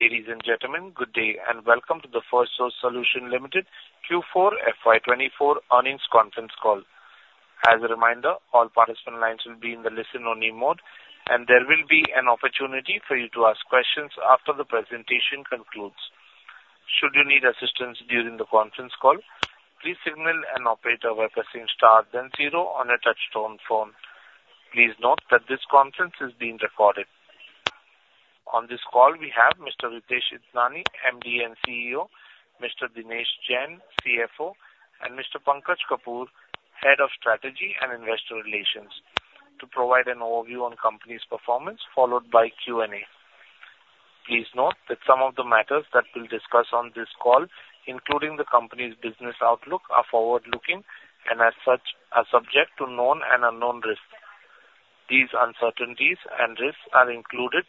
Ladies and gentlemen, good day, and welcome to the Firstsource Solutions Limited Q4 FY24 earnings conference call. As a reminder, all participant lines will be in the listen-only mode, and there will be an opportunity for you to ask questions after the presentation concludes. Should you need assistance during the conference call, please signal an operator by pressing star then zero on a touchtone phone. Please note that this conference is being recorded. On this call, we have Mr. Ritesh Idnani, MD and CEO, Mr. Dinesh Jain, CFO, and Mr. Pankaj Kapoor, Head of Strategy and Investor Relations, to provide an overview on company's performance, followed by Q&A. Please note that some of the matters that we'll discuss on this call, including the company's business outlook, are forward-looking and as such are subject to known and unknown risks. These uncertainties and risks are included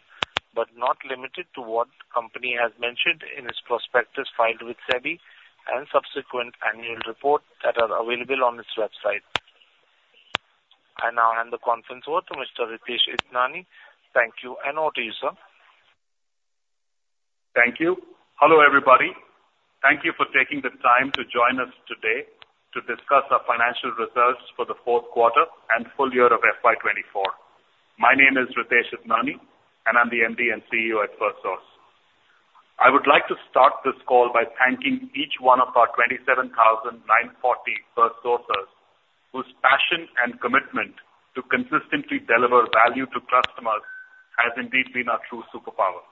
but not limited to what the company has mentioned in its prospectus filed with SEBI and subsequent annual report that are available on its website. I now hand the conference over to Mr. Ritesh Idnani. Thank you, and over to you, sir. Thank you. Hello, everybody. Thank you for taking the time to join us today to discuss our financial results for the fourth quarter and full year of FY 2024. My name is Ritesh Idnani, and I'm the MD and CEO at Firstsource. I would like to start this call by thanking each one of our 27,940 Firstsourcers, whose passion and commitment to consistently deliver value to customers has indeed been our true superpower.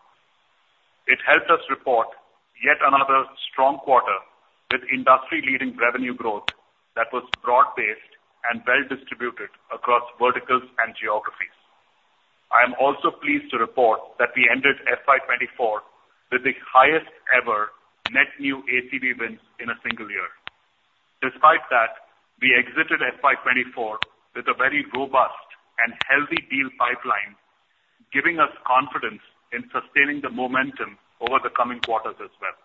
It helped us report yet another strong quarter with industry-leading revenue growth that was broad-based and well-distributed across verticals and geographies. I am also pleased to report that we ended FY 2024 with the highest ever net new ACV wins in a single year. Despite that, we exited FY 2024 with a very robust and healthy deal pipeline, giving us confidence in sustaining the momentum over the coming quarters as well.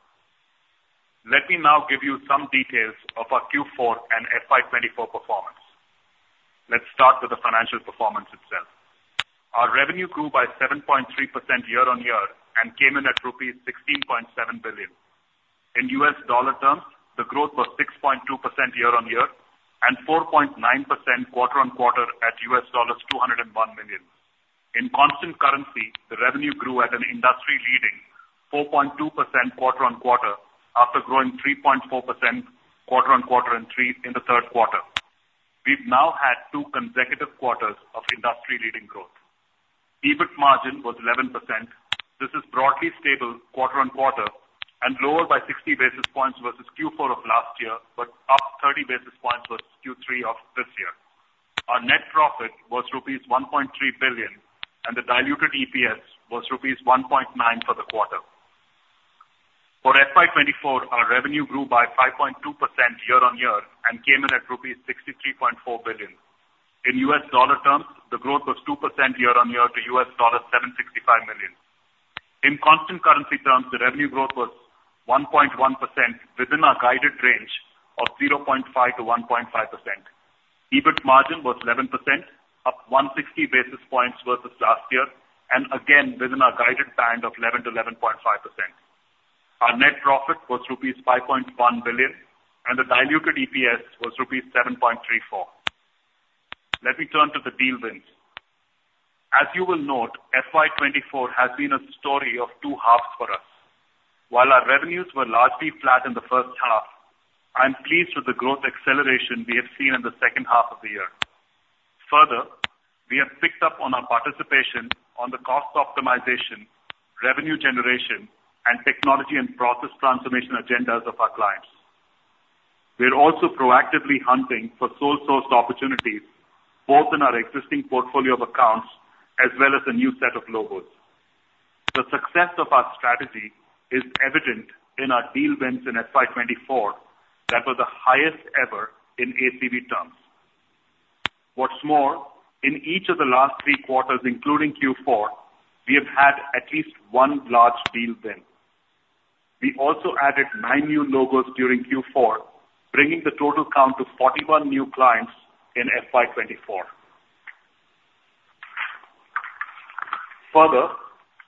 Let me now give you some details of our Q4 and FY 2024 performance. Let's start with the financial performance itself. Our revenue grew by 7.3% year-on-year and came in at rupees 16.7 billion. In US dollar terms, the growth was 6.2% year-on-year and 4.9% quarter-on-quarter at $201 million. In constant currency, the revenue grew at an industry-leading 4.2% quarter-on-quarter after growing 3.4% quarter-on-quarter in the third quarter. We've now had two consecutive quarters of industry-leading growth. EBIT margin was 11%. This is broadly stable quarter-on-quarter and lower by 60 basis points versus Q4 of last year, but up 30 basis points versus Q3 of this year. Our net profit was rupees 1.3 billion, and the diluted EPS was rupees 1.9 for the quarter. For FY 2024, our revenue grew by 5.2% year-on-year and came in at rupees 63.4 billion. In US dollar terms, the growth was 2% year-on-year to $765 million. In constant currency terms, the revenue growth was 1.1%, within our guided range of 0.5%-1.5%. EBIT margin was 11%, up 160 basis points versus last year, and again, within our guided band of 11%-11.5%. Our net profit was rupees 5.1 billion, and the diluted EPS was rupees 7.34. Let me turn to the deal wins. As you will note, FY 2024 has been a story of two halves for us. While our revenues were largely flat in the first half, I'm pleased with the growth acceleration we have seen in the second half of the year. Further, we have picked up on our participation on the cost optimization, revenue generation, and technology and process transformation agendas of our clients. We are also proactively hunting for sole source opportunities, both in our existing portfolio of accounts as well as a new set of logos. The success of our strategy is evident in our deal wins in FY 2024. That was the highest ever in ACV terms. What's more, in each of the last three quarters, including Q4, we have had at least one large deal win. We also added nine new logos during Q4, bringing the total count to 41 new clients in FY 2024. Further,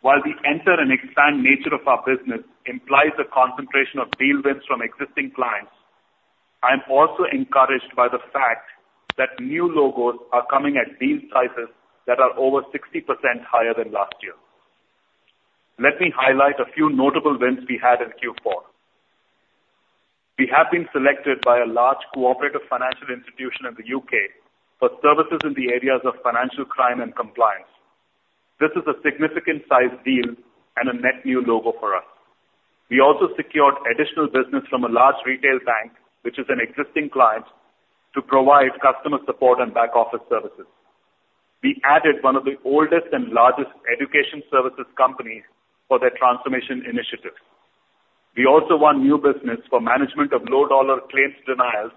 while the enter and expand nature of our business implies a concentration of deal wins from existing clients, I'm also encouraged by the fact that new logos are coming at deal sizes that are over 60% higher than last year. Let me highlight a few notable wins we had in Q4. We have been selected by a large cooperative financial institution in the UK for services in the areas of financial crime and compliance. This is a significant size deal and a net new logo for us. We also secured additional business from a large retail bank, which is an existing client, to provide customer support and back office services. We added one of the oldest and largest education services companies for their transformation initiative. We also won new business for management of low-dollar claims denials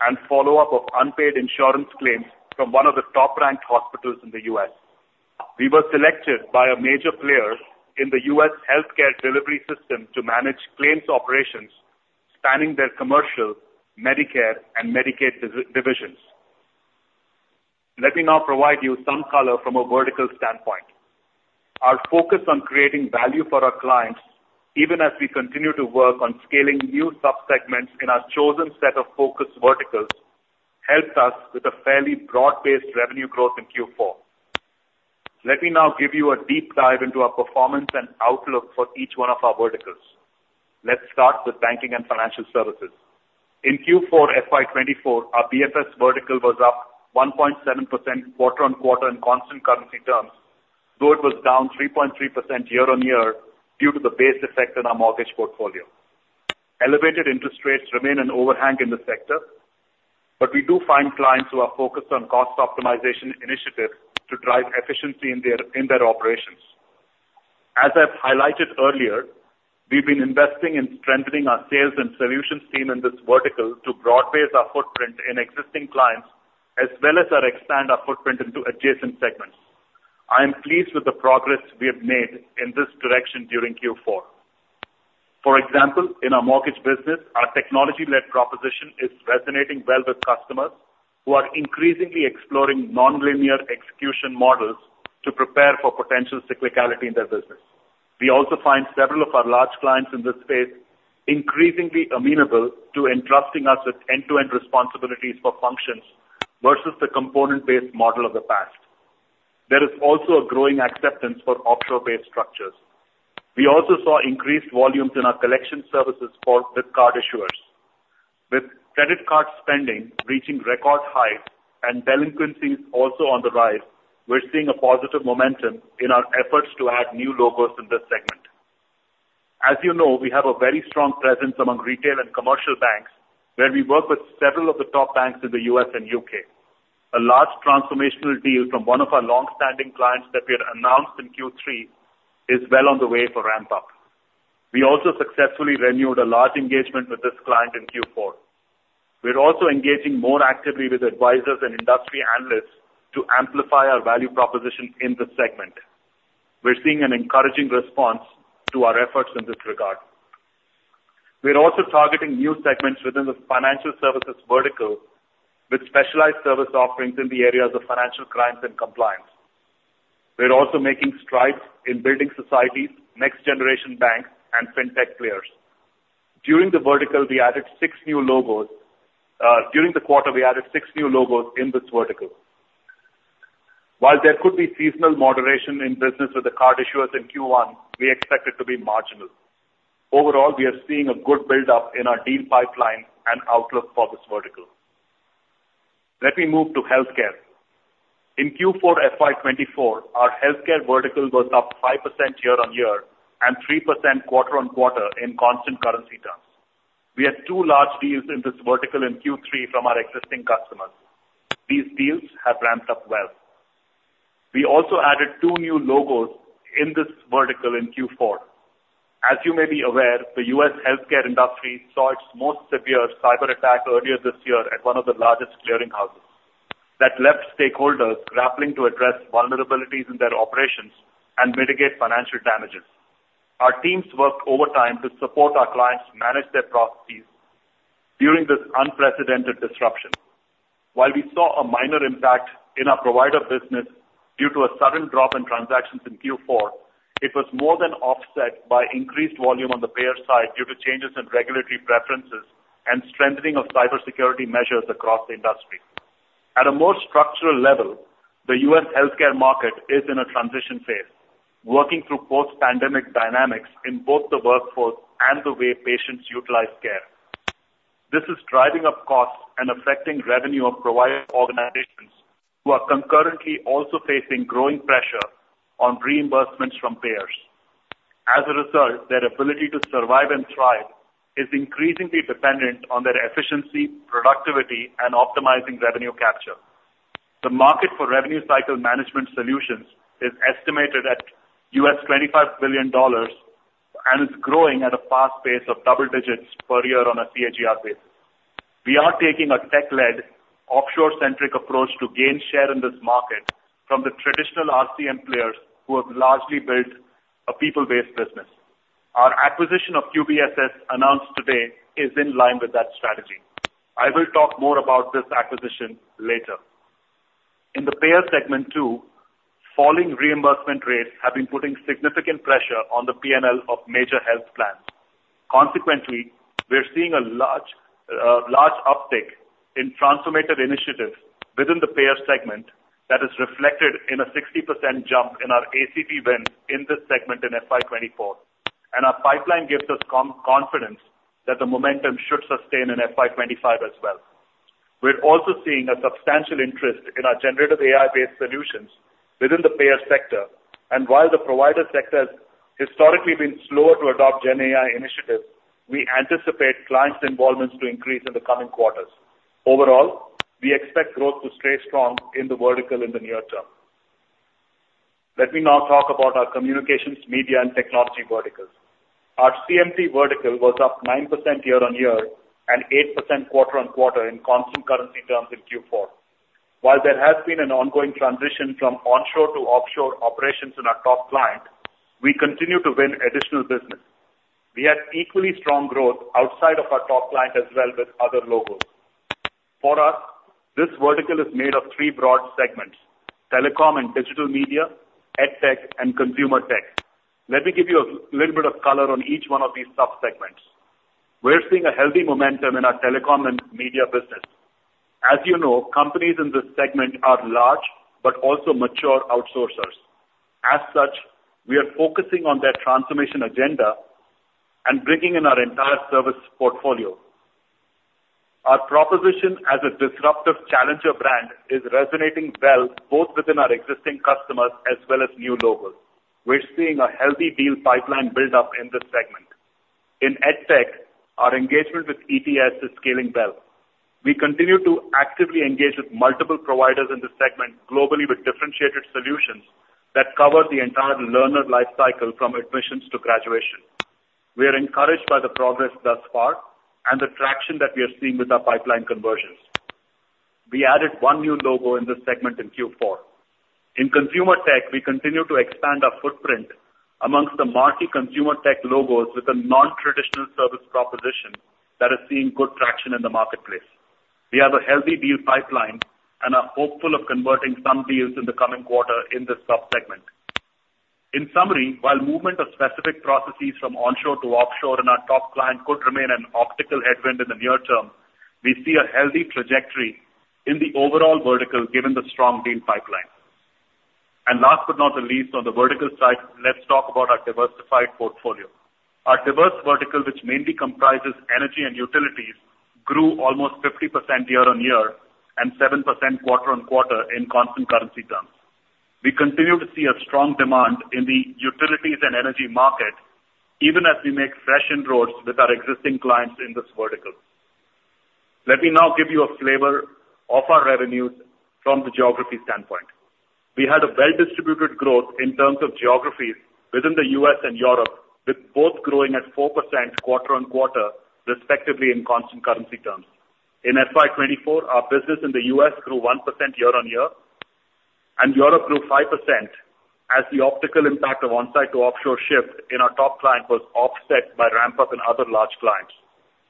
and follow-up of unpaid insurance claims from one of the top-ranked hospitals in the U.S. We were selected by a major player in the U.S. healthcare delivery system to manage claims operations, spanning their commercial, Medicare, and Medicaid divisions. Let me now provide you some color from a vertical standpoint. Our focus on creating value for our clients, even as we continue to work on scaling new subsegments in our chosen set of focus verticals, helps us with a fairly broad-based revenue growth in Q4. Let me now give you a deep dive into our performance and outlook for each one of our verticals. Let's start with banking and financial services. In Q4 FY 2024, our BFS vertical was up 1.7% quarter-on-quarter in constant currency terms, though it was down 3.3% year-on-year due to the base effect on our mortgage portfolio. Elevated interest rates remain an overhang in the sector, but we do find clients who are focused on cost optimization initiatives to drive efficiency in their operations. As I've highlighted earlier, we've been investing in strengthening our sales and solutions team in this vertical to broad base our footprint in existing clients, as well as expand our footprint into adjacent segments. I am pleased with the progress we have made in this direction during Q4. For example, in our mortgage business, our technology-led proposition is resonating well with customers who are increasingly exploring nonlinear execution models to prepare for potential cyclicality in their business. We also find several of our large clients in this space increasingly amenable to entrusting us with end-to-end responsibilities for functions versus the component-based model of the past. There is also a growing acceptance for offshore-based structures. We also saw increased volumes in our collection services for, with card issuers. With credit card spending reaching record highs and delinquencies also on the rise, we're seeing a positive momentum in our efforts to add new logos in this segment. As you know, we have a very strong presence among retail and commercial banks, where we work with several of the top banks in the U.S. and U.K. A large transformational deal from one of our long-standing clients that we had announced in Q3 is well on the way for ramp up. We also successfully renewed a large engagement with this client in Q4. We're also engaging more actively with advisors and industry analysts to amplify our value proposition in this segment. We're seeing an encouraging response to our efforts in this regard. We are also targeting new segments within the financial services vertical with specialized service offerings in the areas of financial crimes and compliance. We are also making strides in building societies, next generation banks and fintech players. During the vertical, we added six new logos, during the quarter, we added six new logos in this vertical. While there could be seasonal moderation in business with the card issuers in Q1, we expect it to be marginal. Overall, we are seeing a good build up in our deal pipeline and outlook for this vertical. Let me move to healthcare. In Q4 FY 2024, our healthcare vertical was up 5% year-on-year and 3% quarter-on-quarter in Constant Currency terms. We had 2 large deals in this vertical in Q3 from our existing customers. These deals have ramped up well. We also added two new logos in this vertical in Q4. As you may be aware, the U.S. healthcare industry saw its most severe cyberattack earlier this year at one of the largest clearing houses. That left stakeholders grappling to address vulnerabilities in their operations and mitigate financial damages. Our teams worked overtime to support our clients manage their processes during this unprecedented disruption. While we saw a minor impact in our provider business due to a sudden drop in transactions in Q4, it was more than offset by increased volume on the payer side due to changes in regulatory preferences and strengthening of cybersecurity measures across the industry. At a more structural level, the U.S. healthcare market is in a transition phase, working through post-pandemic dynamics in both the workforce and the way patients utilize care. This is driving up costs and affecting revenue of provider organizations who are concurrently also facing growing pressure on reimbursements from payers. As a result, their ability to survive and thrive is increasingly dependent on their efficiency, productivity, and optimizing revenue capture. The market for revenue cycle management solutions is estimated at $25 billion and is growing at a fast pace of double digits per year on a CAGR basis. We are taking a tech-led, offshore-centric approach to gain share in this market from the traditional RCM players who have largely built a people-based business. Our acquisition of QBSS, announced today, is in line with that strategy. I will talk more about this acquisition later. In the payer segment, too, falling reimbursement rates have been putting significant pressure on the P&L of major health plans. Consequently, we are seeing a large, large uptick in transformative initiatives within the payer segment that is reflected in a 60% jump in our ACV wins in this segment in FY 2024, and our pipeline gives us confidence that the momentum should sustain in FY 2025 as well. We're also seeing a substantial interest in our generative AI-based solutions within the payer sector, and while the provider sector has historically been slower to adopt GenAI initiatives, we anticipate clients' involvement to increase in the coming quarters. Overall, we expect growth to stay strong in the vertical in the near-term. Let me now talk about our communications, media, and technology verticals. Our CMT vertical was up 9% year-on-year and 8% quarter-on-quarter in constant currency terms in Q4. While there has been an ongoing transition from onshore to offshore operations in our top client, we continue to win additional business.... We had equally strong growth outside of our top client as well with other logos. For us, this vertical is made of three broad segments: telecom and digital media, EdTech, and consumer tech. Let me give you a little bit of color on each one of these subsegments. We're seeing a healthy momentum in our telecom and media business. As you know, companies in this segment are large but also mature outsourcers. As such, we are focusing on their transformation agenda and bringing in our entire service portfolio. Our proposition as a disruptive challenger brand is resonating well, both within our existing customers as well as new logos. We're seeing a healthy deal pipeline build up in this segment. In EdTech, our engagement with ETS is scaling well. We continue to actively engage with multiple providers in this segment globally, with differentiated solutions that cover the entire learner life cycle from admissions to graduation. We are encouraged by the progress thus far and the traction that we are seeing with our pipeline conversions. We added one new logo in this segment in Q4. In consumer tech, we continue to expand our footprint among the marquee consumer tech logos with a non-traditional service proposition that is seeing good traction in the marketplace. We have a healthy deal pipeline and are hopeful of converting some deals in the coming quarter in this subsegment. In summary, while movement of specific processes from onshore to offshore in our top client could remain an optical headwind in the near-term, we see a healthy trajectory in the overall vertical, given the strong deal pipeline. Last but not the least, on the vertical side, let's talk about our diversified portfolio. Our diverse vertical, which mainly comprises energy and utilities, grew almost 50% year-on-year and 7% quarter-on-quarter in constant currency terms. We continue to see a strong demand in the utilities and energy market, even as we make fresh inroads with our existing clients in this vertical. Let me now give you a flavor of our revenues from the geography standpoint. We had a well-distributed growth in terms of geographies within the U.S. and Europe, with both growing at 4% quarter-on-quarter, respectively, in constant currency terms. In FY 2024, our business in the U.S. grew 1% year-on-year, and Europe grew 5%, as the optical impact of onsite to offshore shift in our top client was offset by ramp-up in other large clients.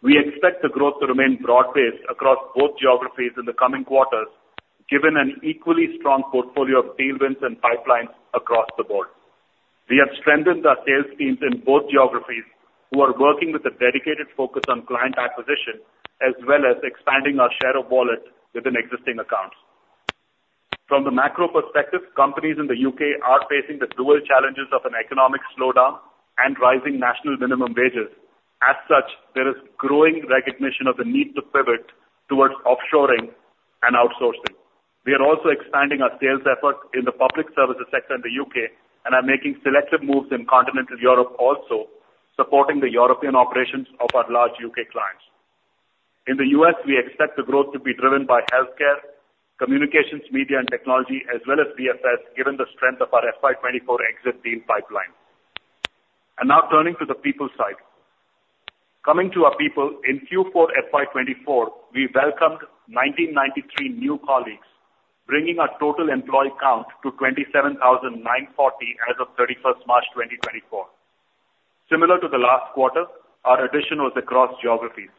We expect the growth to remain broad-based across both geographies in the coming quarters, given an equally strong portfolio of deal wins and pipelines across the board. We have strengthened our sales teams in both geographies, who are working with a dedicated focus on client acquisition, as well as expanding our share of wallet within existing accounts. From the macro perspective, companies in the U.K. are facing the dual challenges of an economic slowdown and rising national minimum wages. As such, there is growing recognition of the need to pivot towards offshoring and outsourcing. We are also expanding our sales effort in the public services sector in the U.K. and are making selective moves in continental Europe, also supporting the European operations of our large U.K. clients. In the U.S., we expect the growth to be driven by healthcare, communications, media and technology, as well as BFSI, given the strength of our FY 2024 exit deal pipeline. Now turning to the people side. Coming to our people, in Q4 FY 2024, we welcomed 1,993 new colleagues, bringing our total employee count to 27,940 as of March 31, 2024. Similar to the last quarter, our addition was across geographies.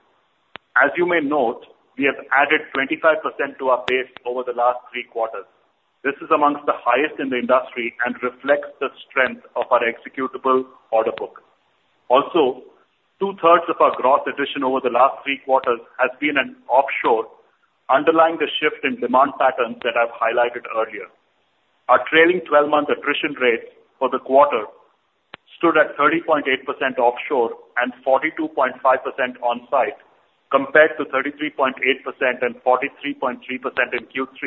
As you may note, we have added 25% to our base over the last three quarters. This is amongst the highest in the industry and reflects the strength of our executable order book. Also, 2/3 of our gross addition over the last three quarters has been in offshore, underlying the shift in demand patterns that I've highlighted earlier. Our trailing 12-month attrition rates for the quarter stood at 30.8% offshore and 42.5% on site, compared to 33.8% and 43.3% in Q3,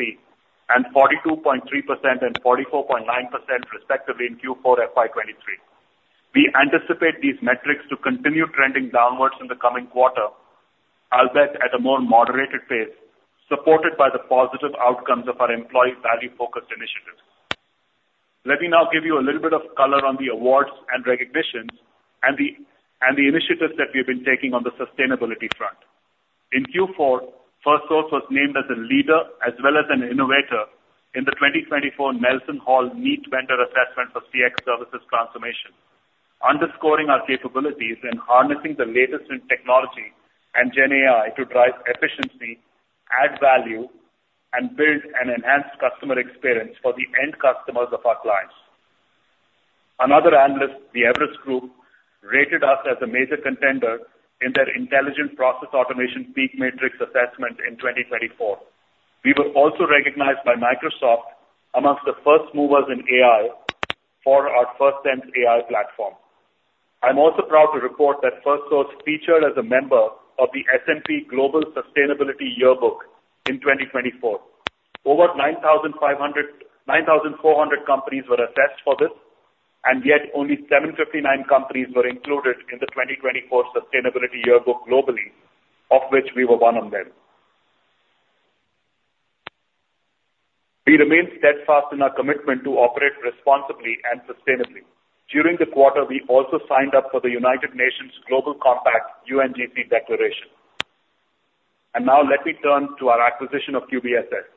and 42.3% and 44.9% respectively in Q4 FY 2023. We anticipate these metrics to continue trending downwards in the coming quarter, albeit at a more moderated pace, supported by the positive outcomes of our employee value focused initiatives. Let me now give you a little bit of color on the awards and recognitions and the initiatives that we've been taking on the sustainability front. In Q4, Firstsource was named as a leader as well as an innovator in the 2024 NelsonHall NEAT Vendor Assessment for CX Services Transformation, underscoring our capabilities in harnessing the latest in technology and GenAI to drive efficiency, add value, and build an enhanced customer experience for the end customers of our clients. Another analyst, the Everest Group, rated us as a major contender in their Intelligent Process Automation PEAK Matrix Assessment in 2024. We were also recognized by Microsoft amongst the first movers in AI for our FirstSense AI platform. I'm also proud to report that Firstsource featured as a member of the S&P Global Sustainability Yearbook in 2024. Over 9,400 companies were assessed for this, and yet only 759 companies were included in the 2024 Sustainability Yearbook globally, of which we were one of them. We remain steadfast in our commitment to operate responsibly and sustainably. During the quarter, we also signed up for the United Nations Global Compact, UNGC Declaration. And now let me turn to our acquisition of QBSS.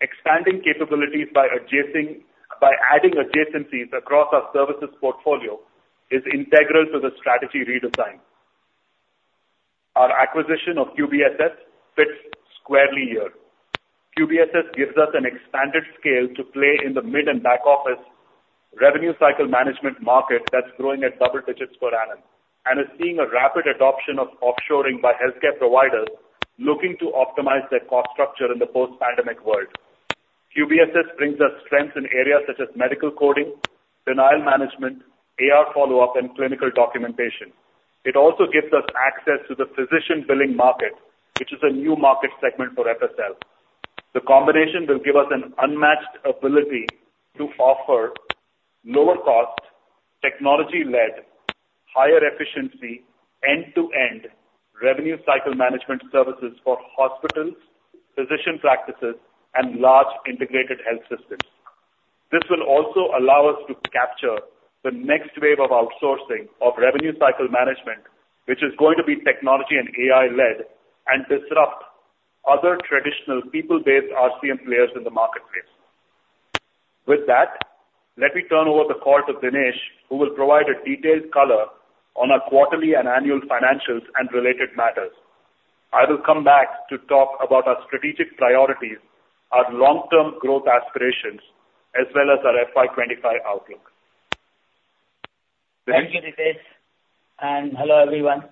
Expanding capabilities by adding adjacencies across our services portfolio is integral to the strategy redesign. Our acquisition of QBSS fits squarely here. QBSS gives us an expanded scale to play in the mid and back office revenue cycle management market that's growing at double digits per annum and is seeing a rapid adoption of offshoring by healthcare providers looking to optimize their cost structure in the post-pandemic world. QBSS brings us strengths in areas such as medical coding, denial management, AR follow-up, and clinical documentation. It also gives us access to the physician billing market, which is a new market segment for FSL. The combination will give us an unmatched ability to offer lower cost, technology-led, higher efficiency, end-to-end revenue cycle management services for hospitals, physician practices, and large integrated health systems. This will also allow us to capture the next wave of outsourcing of revenue cycle management, which is going to be technology and AI led, and disrupt other traditional people-based RCM players in the marketplace. With that, let me turn over the call to Dinesh, who will provide a detailed color on our quarterly and annual financials and related matters. I will come back to talk about our strategic priorities, our long-term growth aspirations, as well as our FY25 outlook. Dinesh? Thank you, Ritesh, and hello, everyone.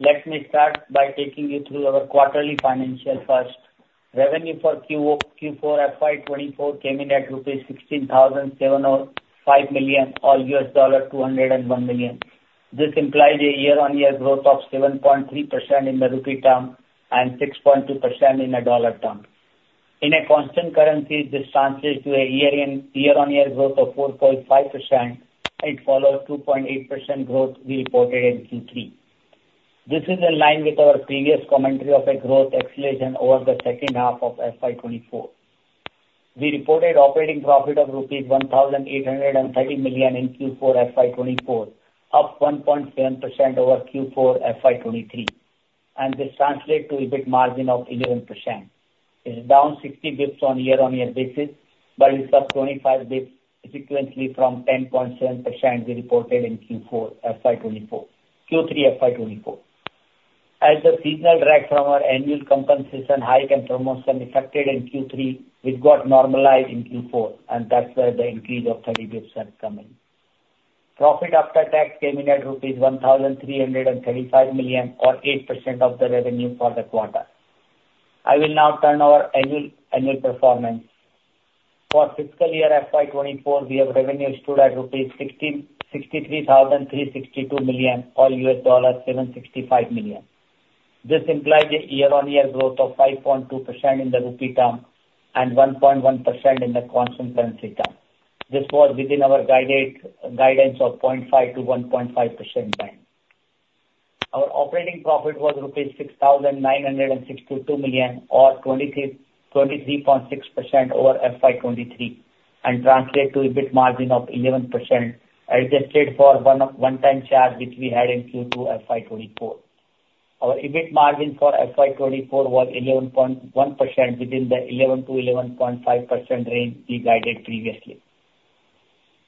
Let me start by taking you through our quarterly financials first. Revenue for Q4 FY 2024 came in at rupees 16,705 million or $201 million. This implied a year-on-year growth of 7.3% in the rupee term and 6.2% in a dollar term. In a constant currency, this translates to a year-on-year growth of 4.5%. It follows 2.8% growth we reported in Q3. This is in line with our previous commentary of a growth acceleration over the second half of FY 2024. We reported operating profit of rupees 1,830 million in Q4 FY 2024, up 1.7% over Q4 FY 2023, and this translates to EBIT margin of 11%. It is down 60 basis points on a year-on-year basis, but it's up 25 basis points sequentially from 10.7% we reported in Q4 FY 2024, Q3 FY 2024. As the seasonal drag from our annual compensation hike and promotion affected in Q3, which got normalized in Q4, and that's where the increase of 30 basis points are coming. Profit after tax came in at rupees 1,335 million or 8% of the revenue for the quarter. I will now turn our annual, annual performance. For fiscal year FY 2024, we have revenue stood at rupees 63,362 million or $765 million. This implied a year-on-year growth of 5.2% in the rupee term and 1.1% in the constant currency term. This was within our guidance of 0.5%-1.5% band. Our operating profit was rupees 6,962 million or 23, 23.6% over FY 2023 and translate to EBIT margin of 11%, adjusted for one-time charge, which we had in Q2 FY 2024. Our EBIT margin for FY 2024 was 11.1% within the 11%-11.5% range we guided previously.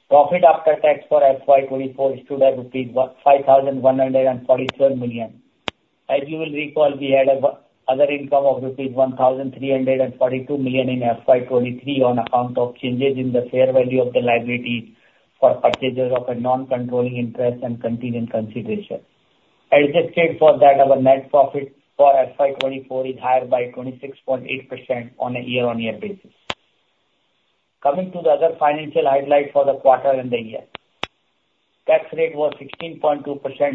Profit after tax for FY 2024 stood at 5,137 million. As you will recall, we had other income of rupees 1,342 million in FY 2023 on account of changes in the fair value of the liability for purchasers of a non-controlling interest and continuing consideration. Adjusted for that, our net profit for FY 2024 is higher by 26.8% on a year-on-year basis. Coming to the other financial highlights for the quarter and the year. Tax rate was 16.2%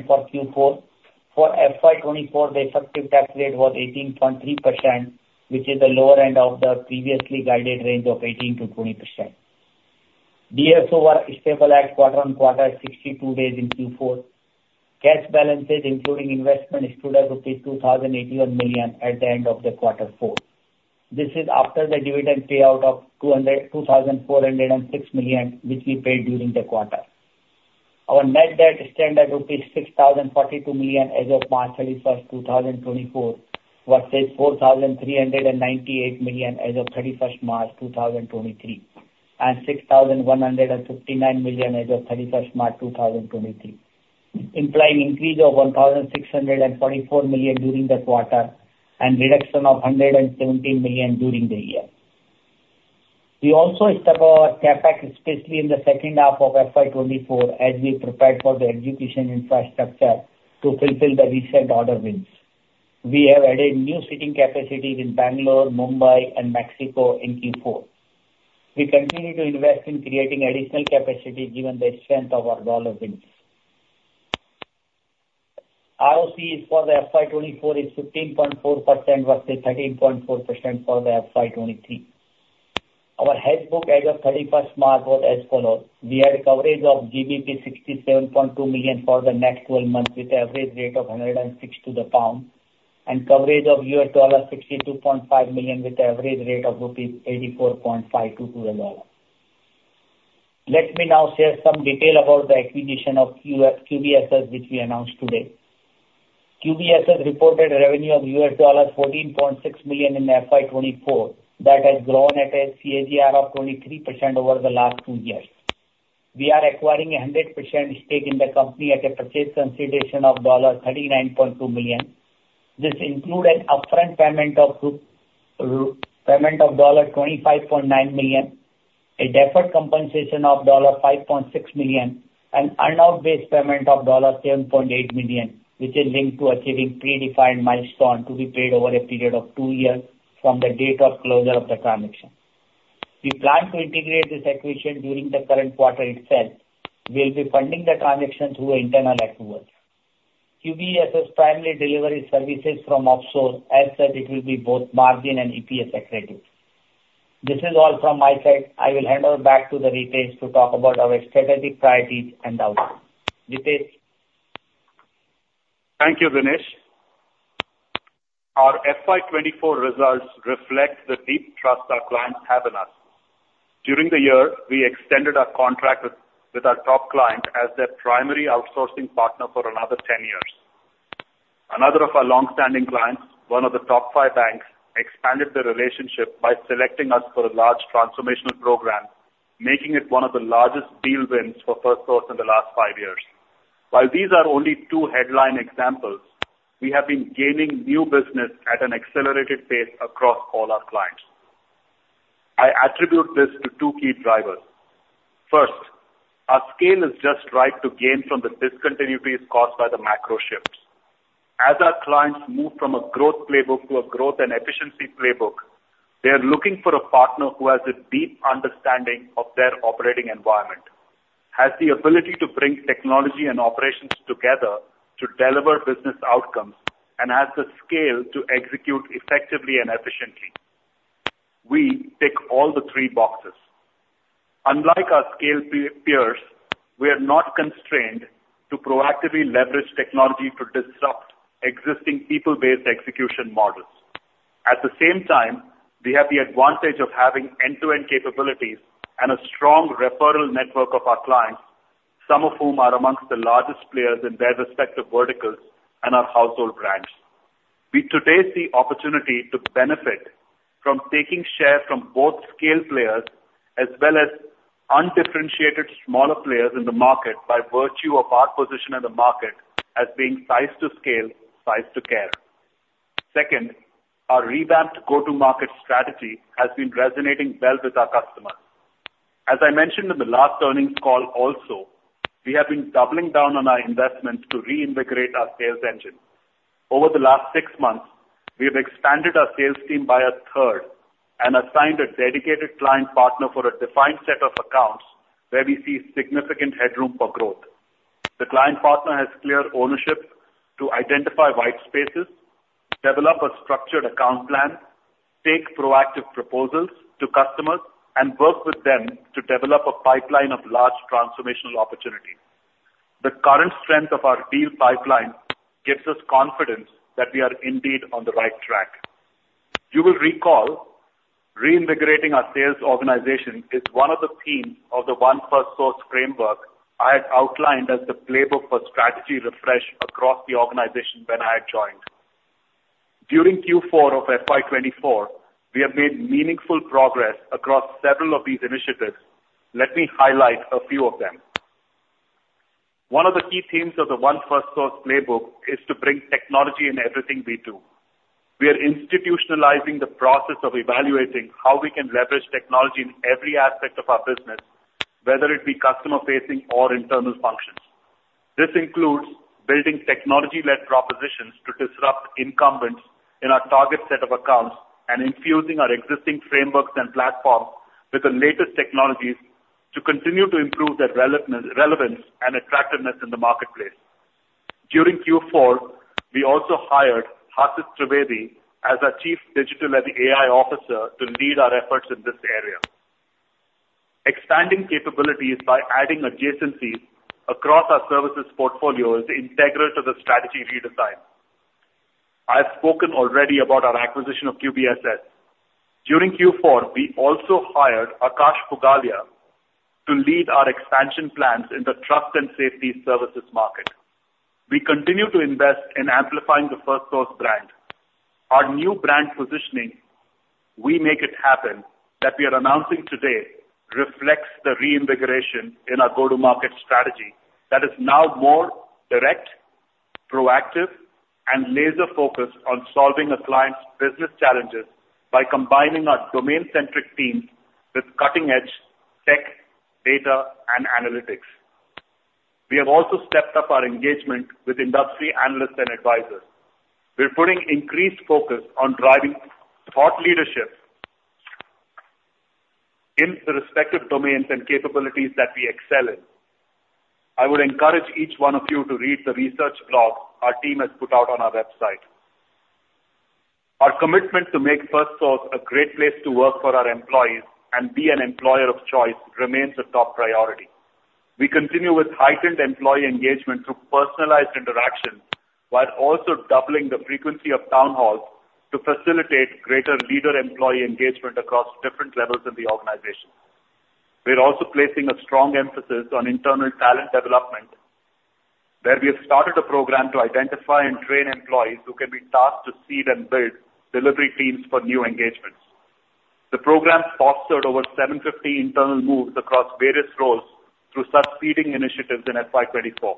for Q4. For FY 2024, the effective tax rate was 18.3%, which is the lower end of the previously guided range of 18%-20%. DSO was stable at quarter-on-quarter at 62 days in Q4. Cash balances, including investment, stood at rupees 2,081 million at the end of the quarter four. This is after the dividend payout of 2,406 million, which we paid during the quarter. Our net debt stands at rupees 6,042 million as of March 31, 2024, versus 4,398 million as of March 31, 2023, and 6,159 million as of March 31, 2023, implying increase of 1,644 million during the quarter and reduction of 117 million during the year. We also stepped up our CapEx, especially in the second half of FY 2024, as we prepared for the execution infrastructure to fulfill the recent order wins. We have added new seating capacities in Bangalore, Mumbai, and Mexico in Q4. We continue to invest in creating additional capacity given the strength of our order wins. ROC for FY 2024 is 15.4% versus 13.4% for FY 2023. Our hedge book as of 31st March was as follows: We had coverage of GBP 67.2 million for the next 12 months, with an average rate of 106 to the pound, and coverage of $62.5 million, with an average rate of rupees 84.5 to the dollar. Let me now share some detail about the acquisition of QBSS, which we announced today. QBSS reported revenue of $14.6 million in FY 2024. That has grown at a CAGR of 23% over the last 2 years. We are acquiring a 100% stake in the company at a purchase consideration of $39.2 million. This includes an upfront payment of $25.9 million, a deferred compensation of $5.6 million, and earn-out based payment of $7.8 million, which is linked to achieving predefined milestone to be paid over a period of 2 years from the date of closure of the transaction. We plan to integrate this acquisition during the current quarter itself. We'll be funding the transaction through internal accruals. QBSS primarily delivery services from offshore, as such it will be both margin and EPS accretive. This is all from my side. I will hand over back to the Ritesh to talk about our strategic priorities and outlook. Ritesh? Thank you, Dinesh. Our FY 2024 results reflect the deep trust our clients have in us. During the year, we extended our contract with our top client as their primary outsourcing partner for another 10 years. Another of our long-standing clients, one of the top five banks, expanded the relationship by selecting us for a large transformational program, making it one of the largest deal wins for Firstsource in the last 5 years. While these are only two headline examples, we have been gaining new business at an accelerated pace across all our clients. I attribute this to two key drivers. First, our scale is just right to gain from the discontinuities caused by the macro shifts. As our clients move from a growth playbook to a growth and efficiency playbook, they are looking for a partner who has a deep understanding of their operating environment, has the ability to bring technology and operations together to deliver business outcomes, and has the scale to execute effectively and efficiently. We tick all the three boxes. Unlike our scale peers, we are not constrained to proactively leverage technology to disrupt existing people-based execution models. At the same time, we have the advantage of having end-to-end capabilities and a strong referral network of our clients, some of whom are amongst the largest players in their respective verticals and are household brands. We today see opportunity to benefit from taking share from both scale players as well as undifferentiated smaller players in the market by virtue of our position in the market as being sized to scale, sized to care. Second, our revamped go-to-market strategy has been resonating well with our customers. As I mentioned in the last earnings call also, we have been doubling down on our investment to reinvigorate our sales engine. Over the last six months, we have expanded our sales team by a third and assigned a dedicated client partner for a defined set of accounts where we see significant headroom for growth. The client partner has clear ownership to identify white spaces, develop a structured account plan, take proactive proposals to customers, and work with them to develop a pipeline of large transformational opportunities. The current strength of our deal pipeline gives us confidence that we are indeed on the right track. You will recall, reinvigorating our sales organization is one of the themes of the One Firstsource framework I had outlined as the playbook for strategy refresh across the organization when I had joined. During Q4 of FY 2024, we have made meaningful progress across several of these initiatives. Let me highlight a few of them. One of the key themes of the One Firstsource playbook is to bring technology in everything we do. We are institutionalizing the process of evaluating how we can leverage technology in every aspect of our business, whether it be customer facing or internal functions. This includes building technology-led propositions to disrupt incumbents in our target set of accounts and infusing our existing frameworks and platforms with the latest technologies to continue to improve their relevance and attractiveness in the marketplace. During Q4, we also hired Ashish Trivedi as our Chief Digital and AI Officer to lead our efforts in this area. Expanding capabilities by adding adjacencies across our services portfolio is integral to the strategy redesign. I've spoken already about our acquisition of QBSS. During Q4, we also hired Akash Pugalia to lead our expansion plans in the trust and safety services market. We continue to invest in amplifying the Firstsource brand. Our new brand positioning, "We make it happen," that we are announcing today, reflects the reinvigoration in our go-to-market strategy that is now more direct, proactive, and laser focused on solving a client's business challenges by combining our domain-centric teams with cutting-edge tech, data, and analytics. We have also stepped up our engagement with industry analysts and advisors. We're putting increased focus on driving thought leadership in the respective domains and capabilities that we excel in. I would encourage each one of you to read the research blog our team has put out on our website. Our commitment to make Firstsource a great place to work for our employees and be an employer of choice remains a top priority. We continue with heightened employee engagement through personalized interaction, while also doubling the frequency of town halls to facilitate greater leader-employee engagement across different levels of the organization. We're also placing a strong emphasis on internal talent development, where we have started a program to identify and train employees who can be tasked to seed and build delivery teams for new engagements. The program fostered over 750 internal moves across various roles through such seeding initiatives in FY 2024.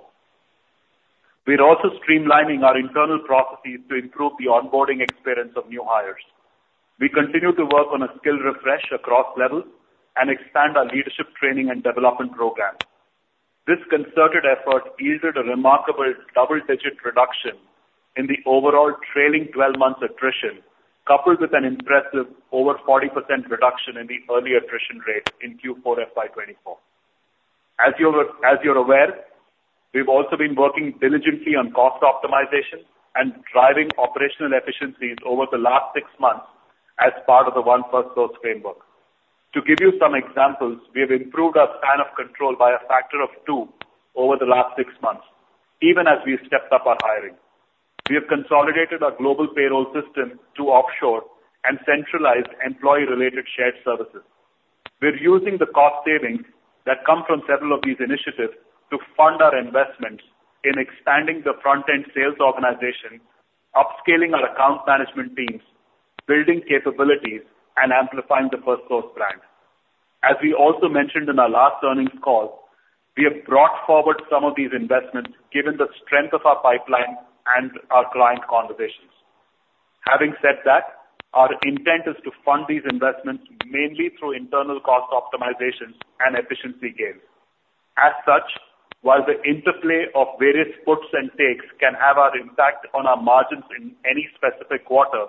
We're also streamlining our internal processes to improve the onboarding experience of new hires. We continue to work on a skill refresh across levels and expand our leadership training and development programs. This concerted effort yielded a remarkable double-digit reduction in the overall trailing 12-month attrition, coupled with an impressive over 40% reduction in the early attrition rate in Q4 FY 2024. As you're aware, we've also been working diligently on cost optimization and driving operational efficiencies over the last six months as part of the One Firstsource framework. To give you some examples, we have improved our span of control by a factor of two over the last six months, even as we've stepped up our hiring. We have consolidated our global payroll system to offshore and centralized employee-related shared services. We're using the cost savings that come from several of these initiatives to fund our investments in expanding the front-end sales organization, upscaling our account management teams, building capabilities, and amplifying the Firstsource brand. As we also mentioned in our last earnings call, we have brought forward some of these investments given the strength of our pipeline and our client conversations. Having said that, our intent is to fund these investments mainly through internal cost optimizations and efficiency gains. As such, while the interplay of various puts and takes can have an impact on our margins in any specific quarter,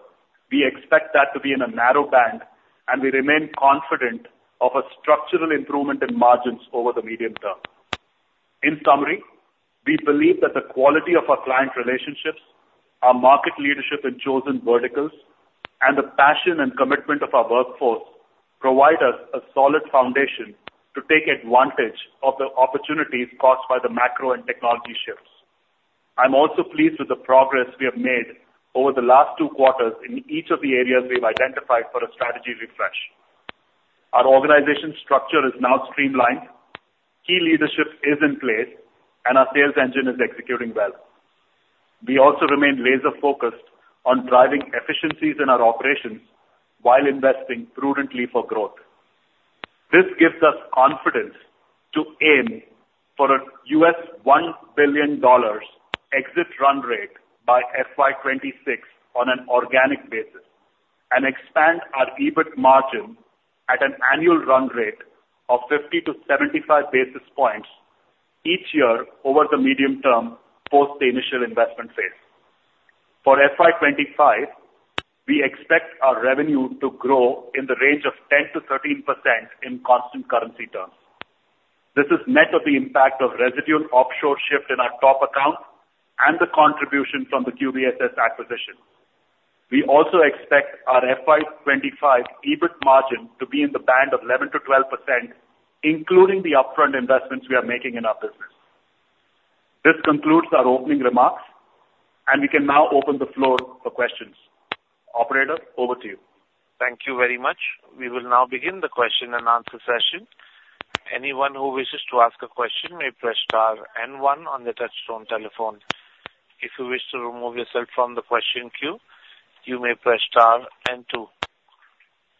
we expect that to be in a narrow band, and we remain confident of a structural improvement in margins over the medium term. In summary, we believe that the quality of our client relationships, our market leadership in chosen verticals, and the passion and commitment of our workforce provide us a solid foundation to take advantage of the opportunities caused by the macro and technology shifts. I'm also pleased with the progress we have made over the last two quarters in each of the areas we've identified for a strategy refresh. Our organization structure is now streamlined, key leadership is in place, and our sales engine is executing well. We also remain laser-focused on driving efficiencies in our operations while investing prudently for growth. This gives us confidence to aim for a $1 billion exit run rate by FY 2026 on an organic basis and expand our EBIT margin at an annual run rate of 50-75 basis points each year over the medium term post the initial investment phase. For FY 2025, we expect our revenue to grow in the range of 10%-13% in constant currency terms. This is net of the impact of residual offshore shift in our top account and the contribution from the QBSS acquisition. We also expect our FY 2025 EBIT margin to be in the band of 11%-12%, including the upfront investments we are making in our business. This concludes our opening remarks, and we can now open the floor for questions. Operator, over to you. Thank you very much. We will now begin the question-and-answer session. Anyone who wishes to ask a question may press star and one on the touchtone telephone. If you wish to remove yourself from the question queue, you may press star and two.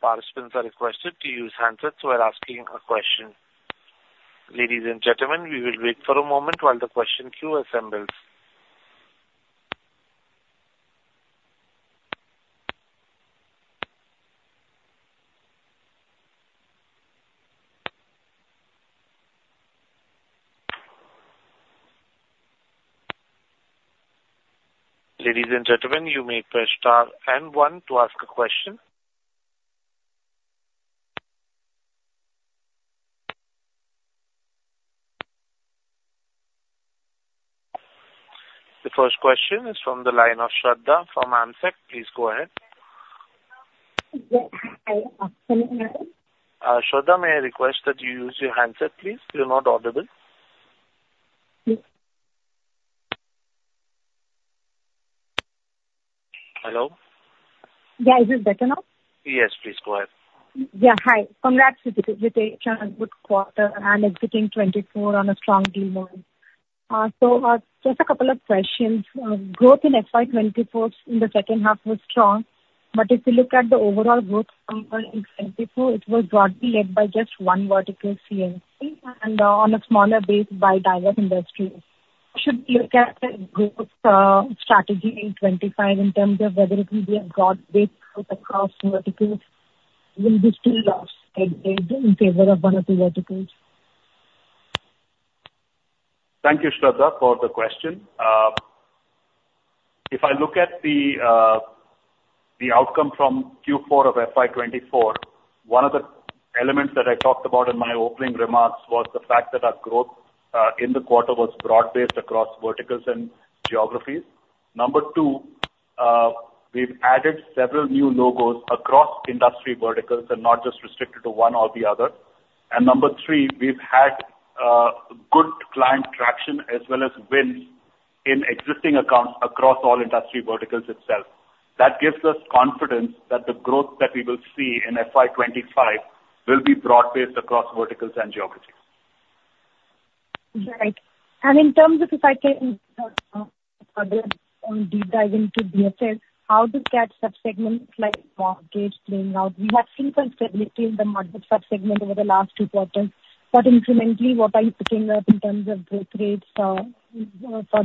Participants are requested to use handsets while asking a question. Ladies and gentlemen, we will wait for a moment while the question queue assembles. Ladies and gentlemen, you may press star and one to ask a question. The first question is from the line of Shraddha from Amsec. Please go ahead. Yeah. Hi, good afternoon. Shraddha, may I request that you use your handset, please? You're not audible. Hello? Hello? Yeah, is this better now? Yes, please go ahead. Yeah, hi. Congrats with a good quarter and exiting 2024 on a strong demand. So, just a couple of questions. Growth in FY 2024 in the second half was strong, but if you look at the overall growth number in 2024, it was broadly led by just one vertical, CMT, and on a smaller base by diverse industries. Should we look at the growth strategy in 2025 in terms of whether it will be a broad-based growth across verticals? Will this still last in favor of one of the verticals? Thank you, Shraddha, for the question. If I look at the outcome from Q4 of FY 24, one of the elements that I talked about in my opening remarks was the fact that our growth in the quarter was broad-based across verticals and geographies. Number two, we've added several new logos across industry verticals and not just restricted to one or the other. Number three, we've had good client traction as well as wins in existing accounts across all industry verticals itself. That gives us confidence that the growth that we will see in FY 2025 will be broad-based across verticals and geographies. Right. And in terms of, if I can, deep dive into DSL, how does that sub-segment like mortgage playing out? We have seen some stability in the mortgage sub-segment over the last two quarters, but incrementally, what are you putting up in terms of growth rates, for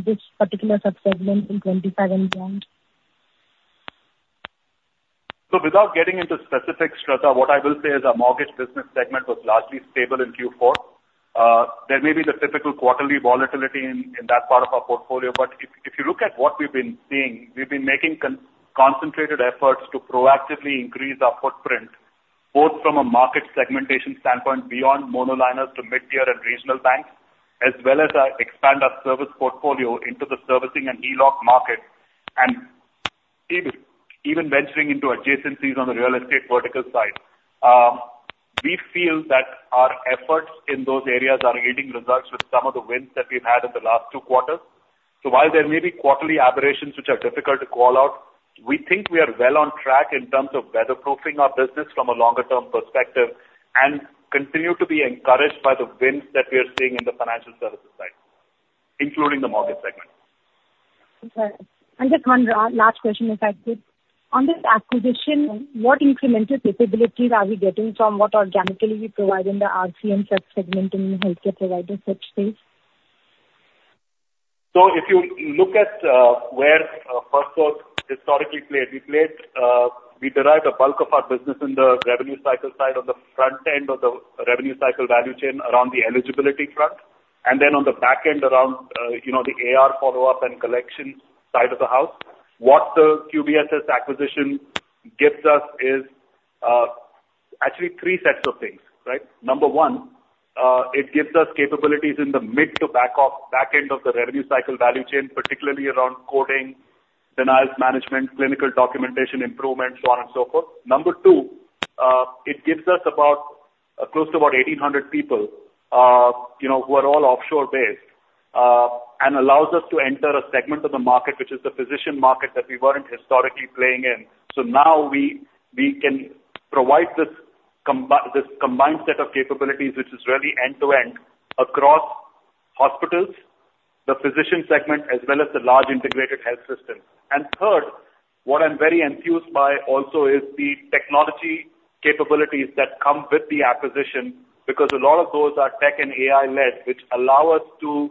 this particular sub-segment in 2025 and beyond? So without getting into specifics, Shradha, what I will say is our mortgage business segment was largely stable in Q4. There may be the typical quarterly volatility in that part of our portfolio, but if you look at what we've been seeing, we've been making concentrated efforts to proactively increase our footprint, both from a market segmentation standpoint beyond monoliners to mid-tier and regional banks, as well as expand our service portfolio into the servicing and eLock market, and even venturing into adjacencies on the real estate vertical side. We feel that our efforts in those areas are yielding results with some of the wins that we've had in the last two quarters. While there may be quarterly aberrations which are difficult to call out, we think we are well on track in terms of weatherproofing our business from a longer term perspective, and continue to be encouraged by the wins that we are seeing in the financial services side, including the mortgage segment. Okay. Just one last question, if I could. On this acquisition, what incremental capabilities are we getting from what organically we provide in the RCM segment in the healthcare provider space? So if you look at where Firstsource historically played, we played, we derived the bulk of our business in the revenue cycle side on the front end of the revenue cycle value chain around the eligibility front, and then on the back end, around you know, the AR follow-up and collection side of the house. What the QBSS acquisition gives us is actually three sets of things, right? Number one, it gives us capabilities in the mid- to back of back-end of the revenue cycle value chain, particularly around coding, denials management, clinical documentation, improvement, so on and so forth. Number two, it gives us about, close to about 1,800 people, you know, who are all offshore-based, and allows us to enter a segment of the market, which is the physician market that we weren't historically playing in. So now we can provide this combined set of capabilities, which is really end-to-end, across hospitals, the physician segment, as well as the large integrated health system. And third, what I'm very enthused by also is the technology capabilities that come with the acquisition, because a lot of those are tech and AI-led, which allow us to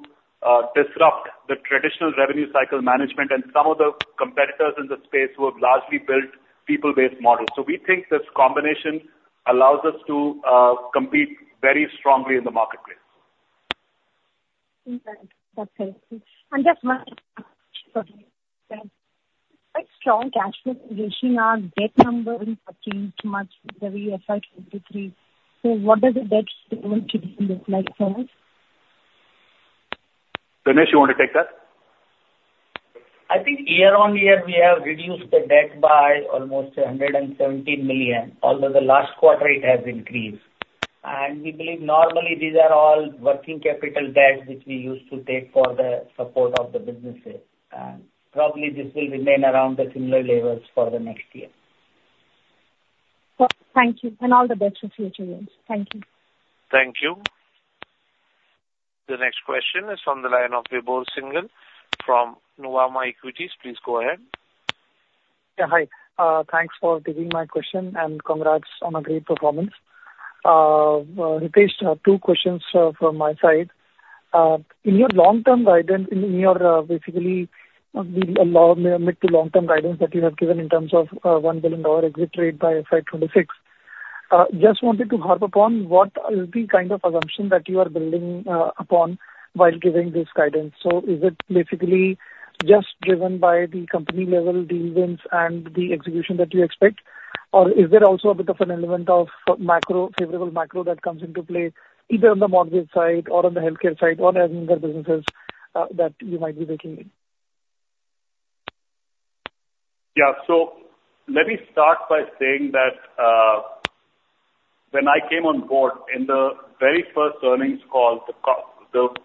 disrupt the traditional revenue cycle management and some of the competitors in the space who have largely built people-based models. So we think this combination allows us to compete very strongly in the marketplace. Okay. That's helpful. Just one question. Quite strong cash flow position, our debt numbers haven't changed much with the FY 2023. So what does the debt statement look like for us? Dinesh, you want to take that? I think year-on-year, we have reduced the debt by almost $170 million, although the last quarter it has increased. We believe normally these are all working capital debt, which we used to take for the support of the businesses. Probably this will remain around the similar levels for the next year. Thank you, and all the best for future years. Thank you. Thank you. The next question is on the line of Vibhor Singhal from Nuvama Equities. Please go ahead. Yeah, hi. Thanks for taking my question, and congrats on a great performance. Ritesh, two questions from my side. In your long-term guidance, basically mid- to long-term guidance that you have given in terms of $1 billion exit rate by FY 2026, just wanted to harp upon what is the kind of assumption that you are building upon while giving this guidance? So is it basically just driven by the company-level deal wins and the execution that you expect, or is there also a bit of an element of macro, favorable macro that comes into play, either on the mortgage side or on the healthcare side, or any other businesses that you might be making? Yeah. So let me start by saying that, when I came on board, in the very first earnings call,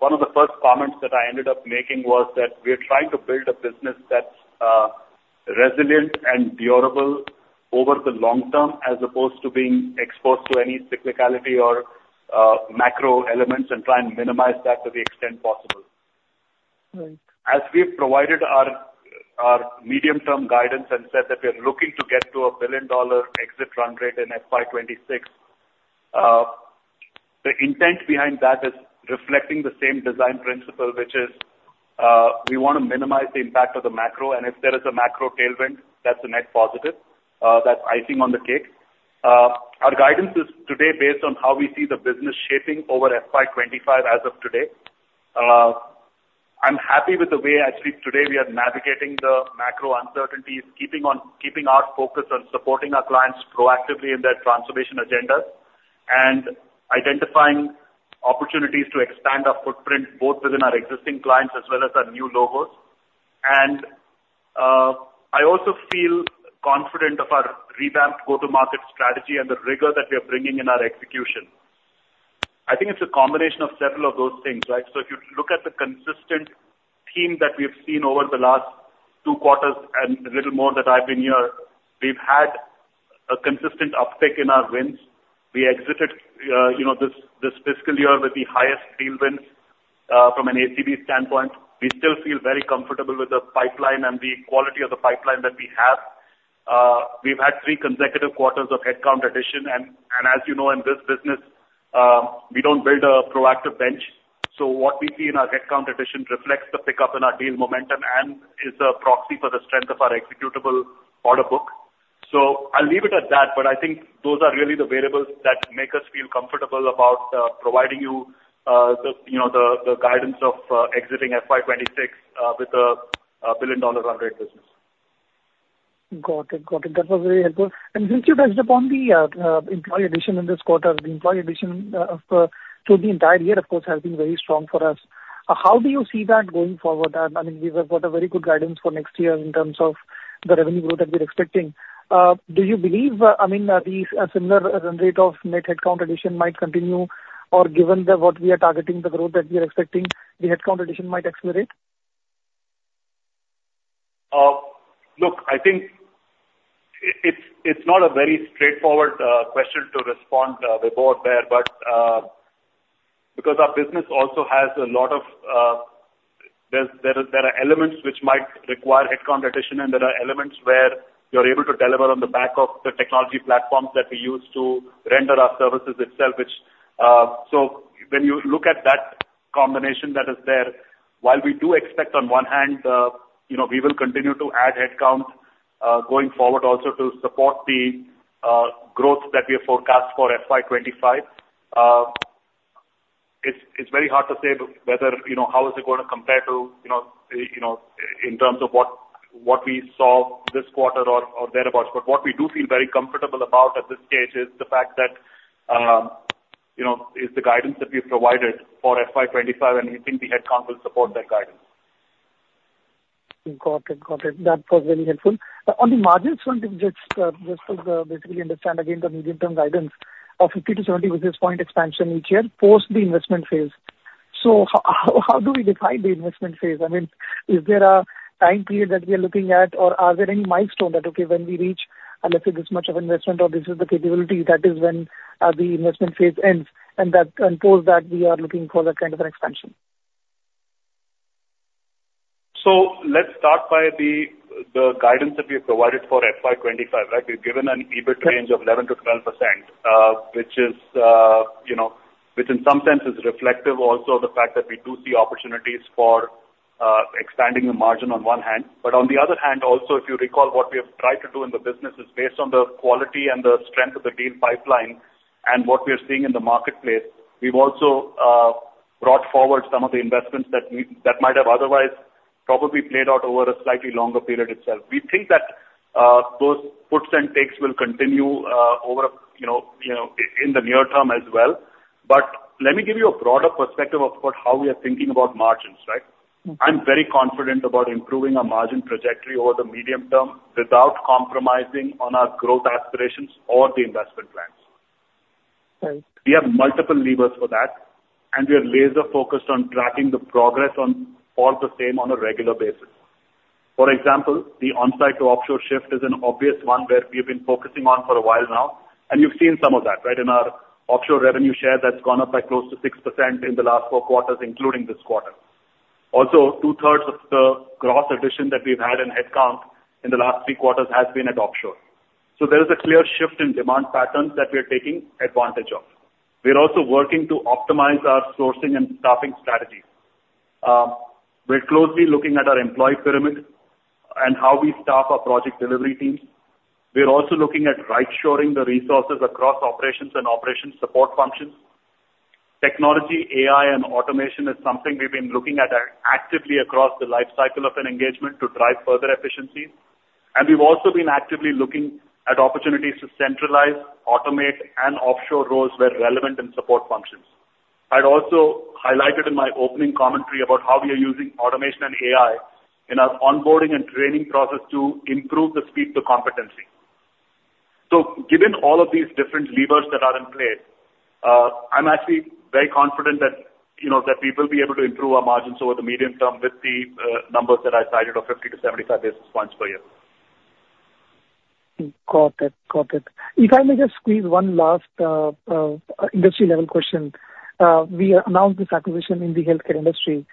one of the first comments that I ended up making was that we are trying to build a business that's resilient and durable over the long term, as opposed to being exposed to any cyclicality or macro elements, and try and minimize that to the extent possible. Right. As we've provided our medium-term guidance and said that we are looking to get to a billion-dollar exit run rate in FY 2026, the intent behind that is reflecting the same design principle, which is, we want to minimize the impact of the macro, and if there is a macro tailwind, that's a net positive, that's icing on the cake. Our guidance is today based on how we see the business shaping over FY 2025 as of today. I'm happy with the way actually today we are navigating the macro uncertainties, keeping our focus on supporting our clients proactively in their transformation agendas, and identifying opportunities to expand our footprint, both within our existing clients as well as our new logos. And, I also feel confident of our revamped go-to-market strategy and the rigor that we are bringing in our execution. I think it's a combination of several of those things, right? So if you look at the consistent theme that we have seen over the last two quarters and a little more that I've been here, we've had a consistent uptick in our wins. We exited, you know, this, this fiscal year with the highest deal wins, from an ACV standpoint. We still feel very comfortable with the pipeline and the quality of the pipeline that we have. We've had three consecutive quarters of headcount addition, and, and as you know, in this business, we don't build a proactive bench. So what we see in our headcount addition reflects the pickup in our deal momentum and is a proxy for the strength of our executable order book. So I'll leave it at that, but I think those are really the variables that make us feel comfortable about providing you, you know, the guidance of exiting FY 2026 with a billion-dollar run rate business. Got it, got it. That was very helpful. And since you touched upon the employee addition in this quarter, the employee addition through the entire year, of course, has been very strong for us. How do you see that going forward? I mean, we've got a very good guidance for next year in terms of the revenue growth that we're expecting. Do you believe, I mean, the similar run rate of net headcount addition might continue, or given that what we are targeting, the growth that we are expecting, the headcount addition might accelerate? Look, I think it's not a very straightforward question to respond, Vibhor, there. But because our business also has a lot of... There is, there are elements which might require headcount addition, and there are elements where you're able to deliver on the back of the technology platforms that we use to render our services itself. Which, so when you look at that combination that is there, while we do expect on one hand, you know, we will continue to add headcount going forward also to support the growth that we have forecast for FY 2025, it's very hard to say whether, you know, how is it gonna compare to, you know, in terms of what we saw this quarter or thereabout. What we do feel very comfortable about at this stage is the fact that, you know, is the guidance that we've provided for FY 2025, and we think the headcount will support that guidance. Got it, got it. That was very helpful. On the margin front, just to basically understand again, the medium-term guidance of 50-70 basis point expansion each year post the investment phase. So how do we define the investment phase? I mean, is there a time period that we are looking at, or are there any milestone that, okay, when we reach, let's say, this much of investment or this is the capability, that is when the investment phase ends, and post that we are looking for that kind of an expansion? So let's start by the guidance that we have provided for FY 2025, right? We've given an EBIT range of 11%-12%, you know, which in some sense is reflective also of the fact that we do see opportunities for expanding the margin on one hand. But on the other hand, also, if you recall, what we have tried to do in the business is based on the quality and the strength of the deal pipeline and what we are seeing in the marketplace. We've also brought forward some of the investments that we that might have otherwise probably played out over a slightly longer period itself. We think that those puts and takes will continue over a, you know, you know, in the near-term as well. Let me give you a broader perspective of how we are thinking about margins, right? Mm-hmm. I'm very confident about improving our margin trajectory over the medium term without compromising on our growth aspirations or the investment plans. Right. We have multiple levers for that, and we are laser-focused on tracking the progress on all the same on a regular basis. For example, the onsite to offshore shift is an obvious one where we have been focusing on for a while now, and you've seen some of that, right? In our offshore revenue share, that's gone up by close to 6% in the last four quarters, including this quarter. Also, 2/3 of the growth addition that we've had in headcount in the last three quarters has been at offshore. So there is a clear shift in demand patterns that we are taking advantage of. We are also working to optimize our sourcing and staffing strategies. We're closely looking at our employee pyramid and how we staff our project delivery teams. We are also looking at right shoring the resources across operations and operation support functions. Technology, AI, and automation is something we've been looking at actively across the life cycle of an engagement to drive further efficiencies. And we've also been actively looking at opportunities to centralize, automate, and offshore roles where relevant and support functions. I'd also highlighted in my opening commentary about how we are using automation and AI in our onboarding and training process to improve the speed to competency. So given all of these different levers that are in play, I'm actually very confident that, you know, that we will be able to improve our margins over the medium term with the numbers that I cited of 50-75 basis points per year. Got it, got it. If I may just squeeze one last, industry-level question. We announced this acquisition in the healthcare industry.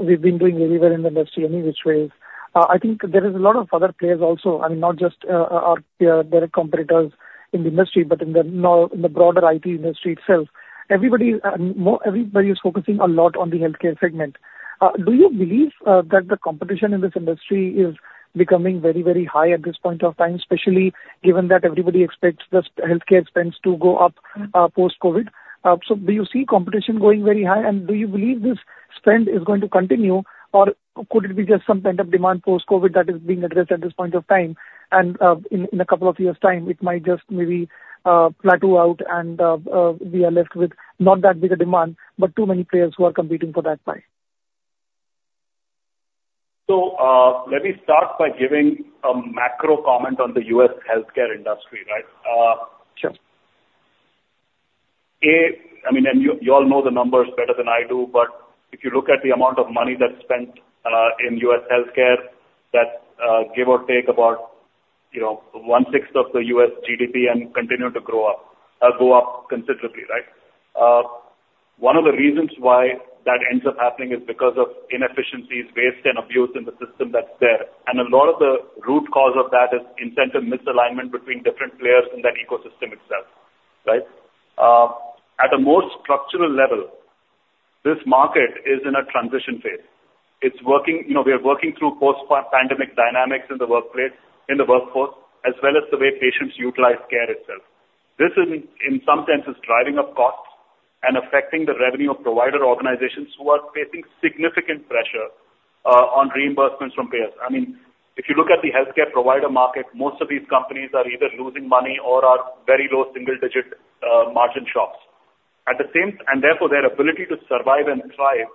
We've been doing very well in the industry any which way. I think there is a lot of other players also, I mean, not just, our direct competitors in the industry, but in the now, in the broader IT industry itself. Everybody, more everybody is focusing a lot on the healthcare segment. Do you believe, that the competition in this industry is becoming very, very high at this point of time, especially given that everybody expects the healthcare expense to go up, post-COVID? So do you see competition going very high, and do you believe this-... Spend is going to continue, or could it be just something that demand post-COVID that is being addressed at this point of time, and, in a couple of years' time, it might just maybe plateau out and, we are left with not that big a demand, but too many players who are competing for that pie? So, let me start by giving a macro comment on the U.S. healthcare industry, right? Sure. I mean, and you all know the numbers better than I do, but if you look at the amount of money that's spent in U.S. healthcare, that's give or take about, you know, 1/6 of the U.S. GDP and continue to grow up, go up considerably, right? One of the reasons why that ends up happening is because of inefficiencies, waste, and abuse in the system that's there. And a lot of the root cause of that is incentive misalignment between different players in that ecosystem itself, right? At a more structural level, this market is in a transition phase. It's working. You know, we are working through post-pandemic dynamics in the workplace, in the workforce, as well as the way patients utilize care itself. This is, in some senses, driving up costs and affecting the revenue of provider organizations who are facing significant pressure on reimbursements from payers. I mean, if you look at the healthcare provider market, most of these companies are either losing money or are very low single-digit margin shops. And therefore, their ability to survive and thrive,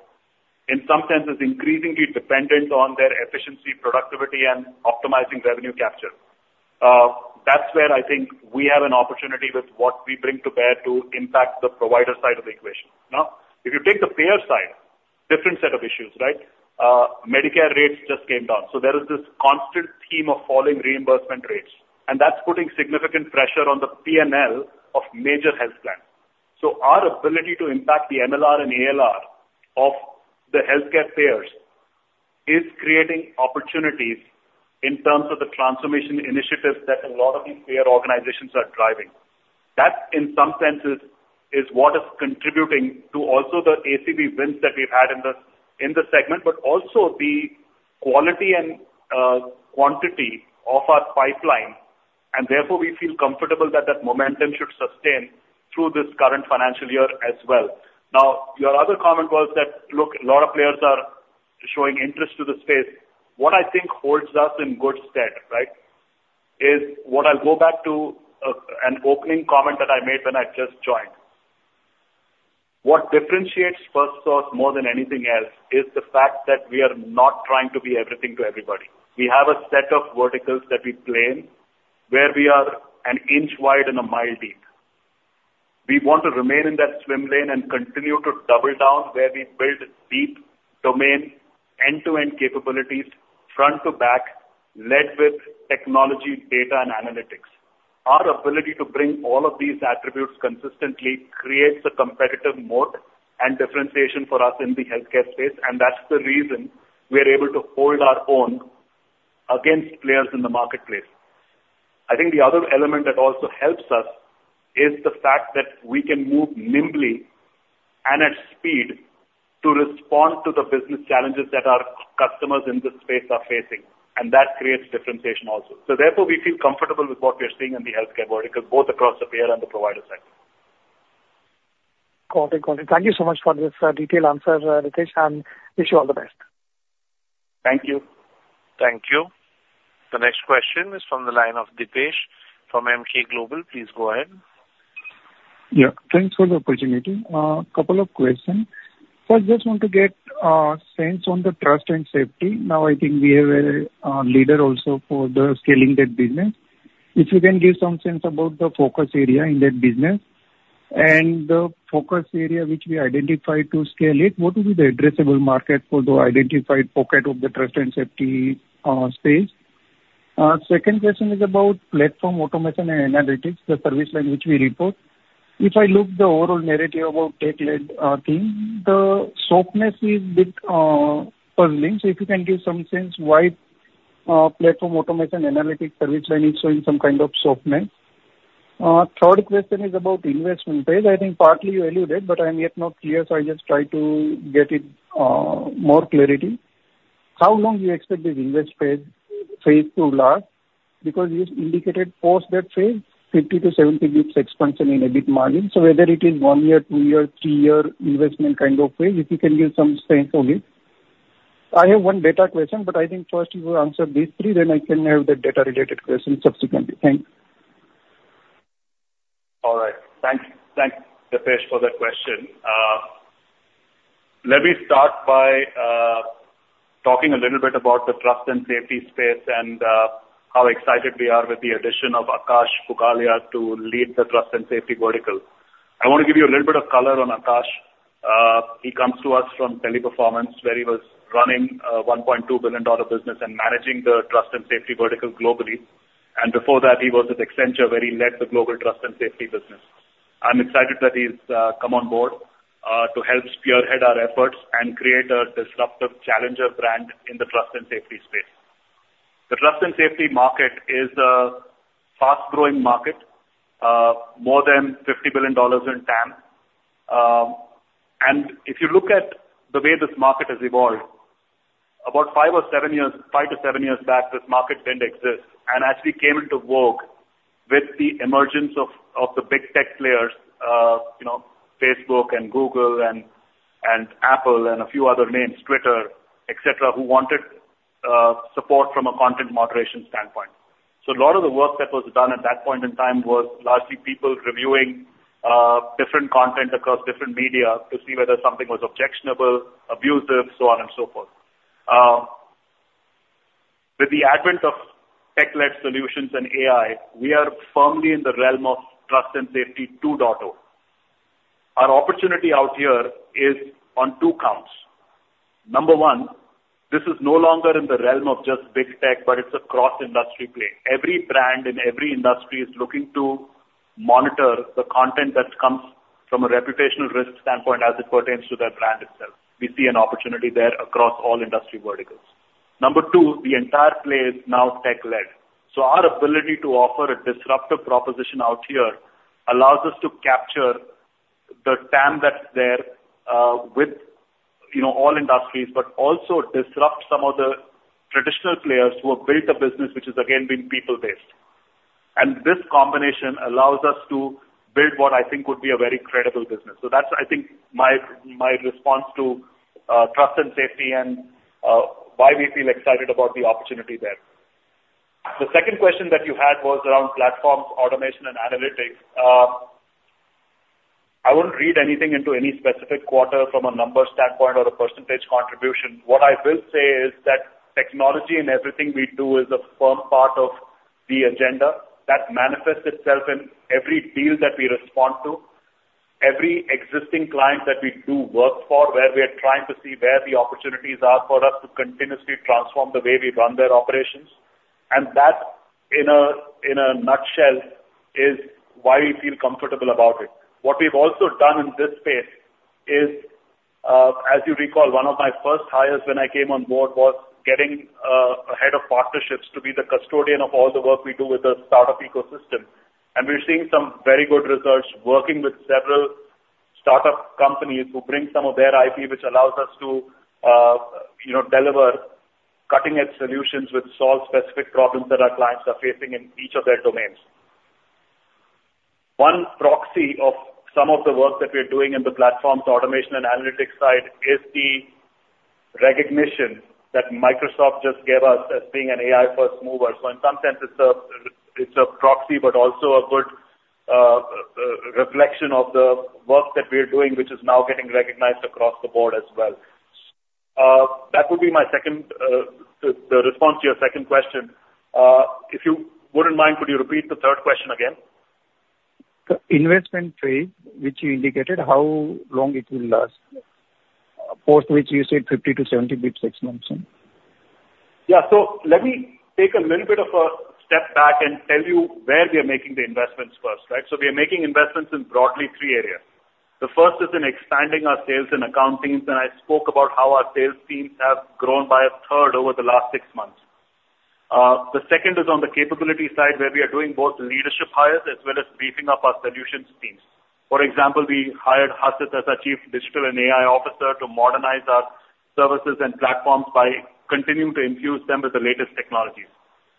in some senses, is increasingly dependent on their efficiency, productivity, and optimizing revenue capture. That's where I think we have an opportunity with what we bring to bear to impact the provider side of the equation. Now, if you take the payer side, different set of issues, right? Medicare rates just came down, so there is this constant scheme of falling reimbursement rates, and that's putting significant pressure on the P&L of major health plans. So our ability to impact the MLR and ALR of the healthcare payers is creating opportunities in terms of the transformation initiatives that a lot of these payer organizations are driving. That, in some senses, is what is contributing to also the ACV wins that we've had in the, in the segment, but also the quality and, quantity of our pipeline. And therefore, we feel comfortable that that momentum should sustain through this current financial year as well. Now, your other comment was that, look, a lot of players are showing interest to the space. What I think holds us in good stead, right, is what I'll go back to, an opening comment that I made when I just joined. What differentiates Firstsource more than anything else is the fact that we are not trying to be everything to everybody. We have a set of verticals that we play in, where we are an inch wide and a mile deep. We want to remain in that swim lane and continue to double down where we build deep domain, end-to-end capabilities, front-to-back, led with technology, data, and analytics. Our ability to bring all of these attributes consistently creates a competitive moat and differentiation for us in the healthcare space, and that's the reason we are able to hold our own against players in the marketplace. I think the other element that also helps us is the fact that we can move nimbly and at speed to respond to the business challenges that our customers in this space are facing, and that creates differentiation also. So therefore, we feel comfortable with what we are seeing in the healthcare vertical, both across the payer and the provider side. Got it, got it. Thank you so much for this, detailed answer, Ritesh, and wish you all the best. Thank you. Thank you. The next question is from the line of Dipesh from Emkay Global. Please go ahead. Yeah, thanks for the opportunity. Couple of questions. First, just want to get sense on the trust and safety. Now, I think we have a leader also for the scaling that business. If you can give some sense about the focus area in that business and the focus area which we identify to scale it, what will be the addressable market for the identified pocket of the trust and safety space? Second question is about platform automation and analytics, the service line which we report. If I look the overall narrative about tech-led team, the softness is bit puzzling. So if you can give some sense why platform automation, analytics, service line is showing some kind of softness. Third question is about investment phase. I think partly you alluded, but I'm yet not clear, so I just try to get it, more clarity. How long do you expect this invest phase, phase to last? Because you indicated post that phase, 50-70 basis expansion in EBIT margin. So whether it is 1 year, 2 year, 3 year investment kind of phase, if you can give some strength on it. I have one data question, but I think first you answer these three, then I can have the data-related question subsequently. Thanks. All right. Thanks. Thanks, Dipesh, for that question. Let me start by talking a little bit about the trust and safety space and how excited we are with the addition of Akash Pugalia to lead the trust and safety vertical. I want to give you a little bit of color on Akash. He comes to us from Teleperformance, where he was running a $1.2 billion business and managing the trust and safety vertical globally. Before that, he was at Accenture, where he led the global trust and safety business. I'm excited that he's come on board to help spearhead our efforts and create a disruptive challenger brand in the trust and safety space. The trust and safety market is a fast-growing market, more than $50 billion in TAM. And if you look at the way this market has evolved. About 5 or 7 years, 5-7 years back, this market didn't exist, and actually came into vogue with the emergence of the big tech players, you know, Facebook and Google and Apple, and a few other names, Twitter, etc, who wanted support from a content moderation standpoint. So a lot of the work that was done at that point in time was largely people reviewing different content across different media to see whether something was objectionable, abusive, so on and so forth. With the advent of tech-led solutions and AI, we are firmly in the realm of trust and safety 2.0. Our opportunity out here is on two counts. Number one, this is no longer in the realm of just big tech, but it's a cross-industry play. Every brand in every industry is looking to monitor the content that comes from a reputational risk standpoint as it pertains to their brand itself. We see an opportunity there across all industry verticals. Number two, the entire play is now tech-led. So our ability to offer a disruptive proposition out here allows us to capture the TAM that's there, with, you know, all industries, but also disrupt some of the traditional players who have built a business, which has again been people-based. And this combination allows us to build what I think would be a very credible business. So that's, I think, my, my response to, trust and safety and, why we feel excited about the opportunity there. The second question that you had was around platforms, automation, and analytics. I wouldn't read anything into any specific quarter from a numbers standpoint or a percentage contribution. What I will say is that technology in everything we do is a firm part of the agenda. That manifests itself in every deal that we respond to, every existing client that we do work for, where we are trying to see where the opportunities are for us to continuously transform the way we run their operations. And that, in a nutshell, is why we feel comfortable about it. What we've also done in this space is, as you recall, one of my first hires when I came on board was getting a head of partnerships to be the custodian of all the work we do with the startup ecosystem. We're seeing some very good results working with several startup companies who bring some of their IP, which allows us to, you know, deliver cutting-edge solutions, which solve specific problems that our clients are facing in each of their domains. One proxy of some of the work that we're doing in the platforms, automation, and analytics side is the recognition that Microsoft just gave us as being an AI first mover. So in some sense, it's a, it's a proxy, but also a good reflection of the work that we are doing, which is now getting recognized across the board as well. That would be my second, the response to your second question. If you wouldn't mind, could you repeat the third question again? The investment trade, which you indicated, how long it will last? For which you said 50-70 basis points expansion. Yeah. So let me take a little bit of a step back and tell you where we are making the investments first, right? So we are making investments in broadly three areas. The first is in expanding our sales and account teams, and I spoke about how our sales teams have grown by a third over the last six months. The second is on the capability side, where we are doing both leadership hires as well as beefing up our solutions teams. For example, we hired Ashish as our Chief Digital and AI Officer to modernize our services and platforms by continuing to infuse them with the latest technologies.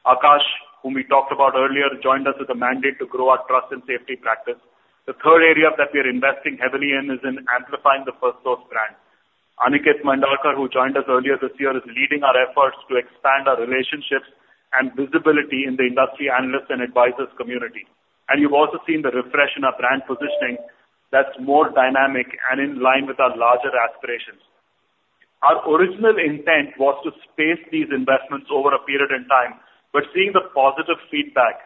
Akash, whom we talked about earlier, joined us with a mandate to grow our trust and safety practice. The third area that we are investing heavily in is in amplifying the Firstsource brand. Aniket Mandalkar, who joined us earlier this year, is leading our efforts to expand our relationships and visibility in the industry, analysts, and advisors community. And you've also seen the refresh in our brand positioning that's more dynamic and in line with our larger aspirations. Our original intent was to space these investments over a period in time, but seeing the positive feedback,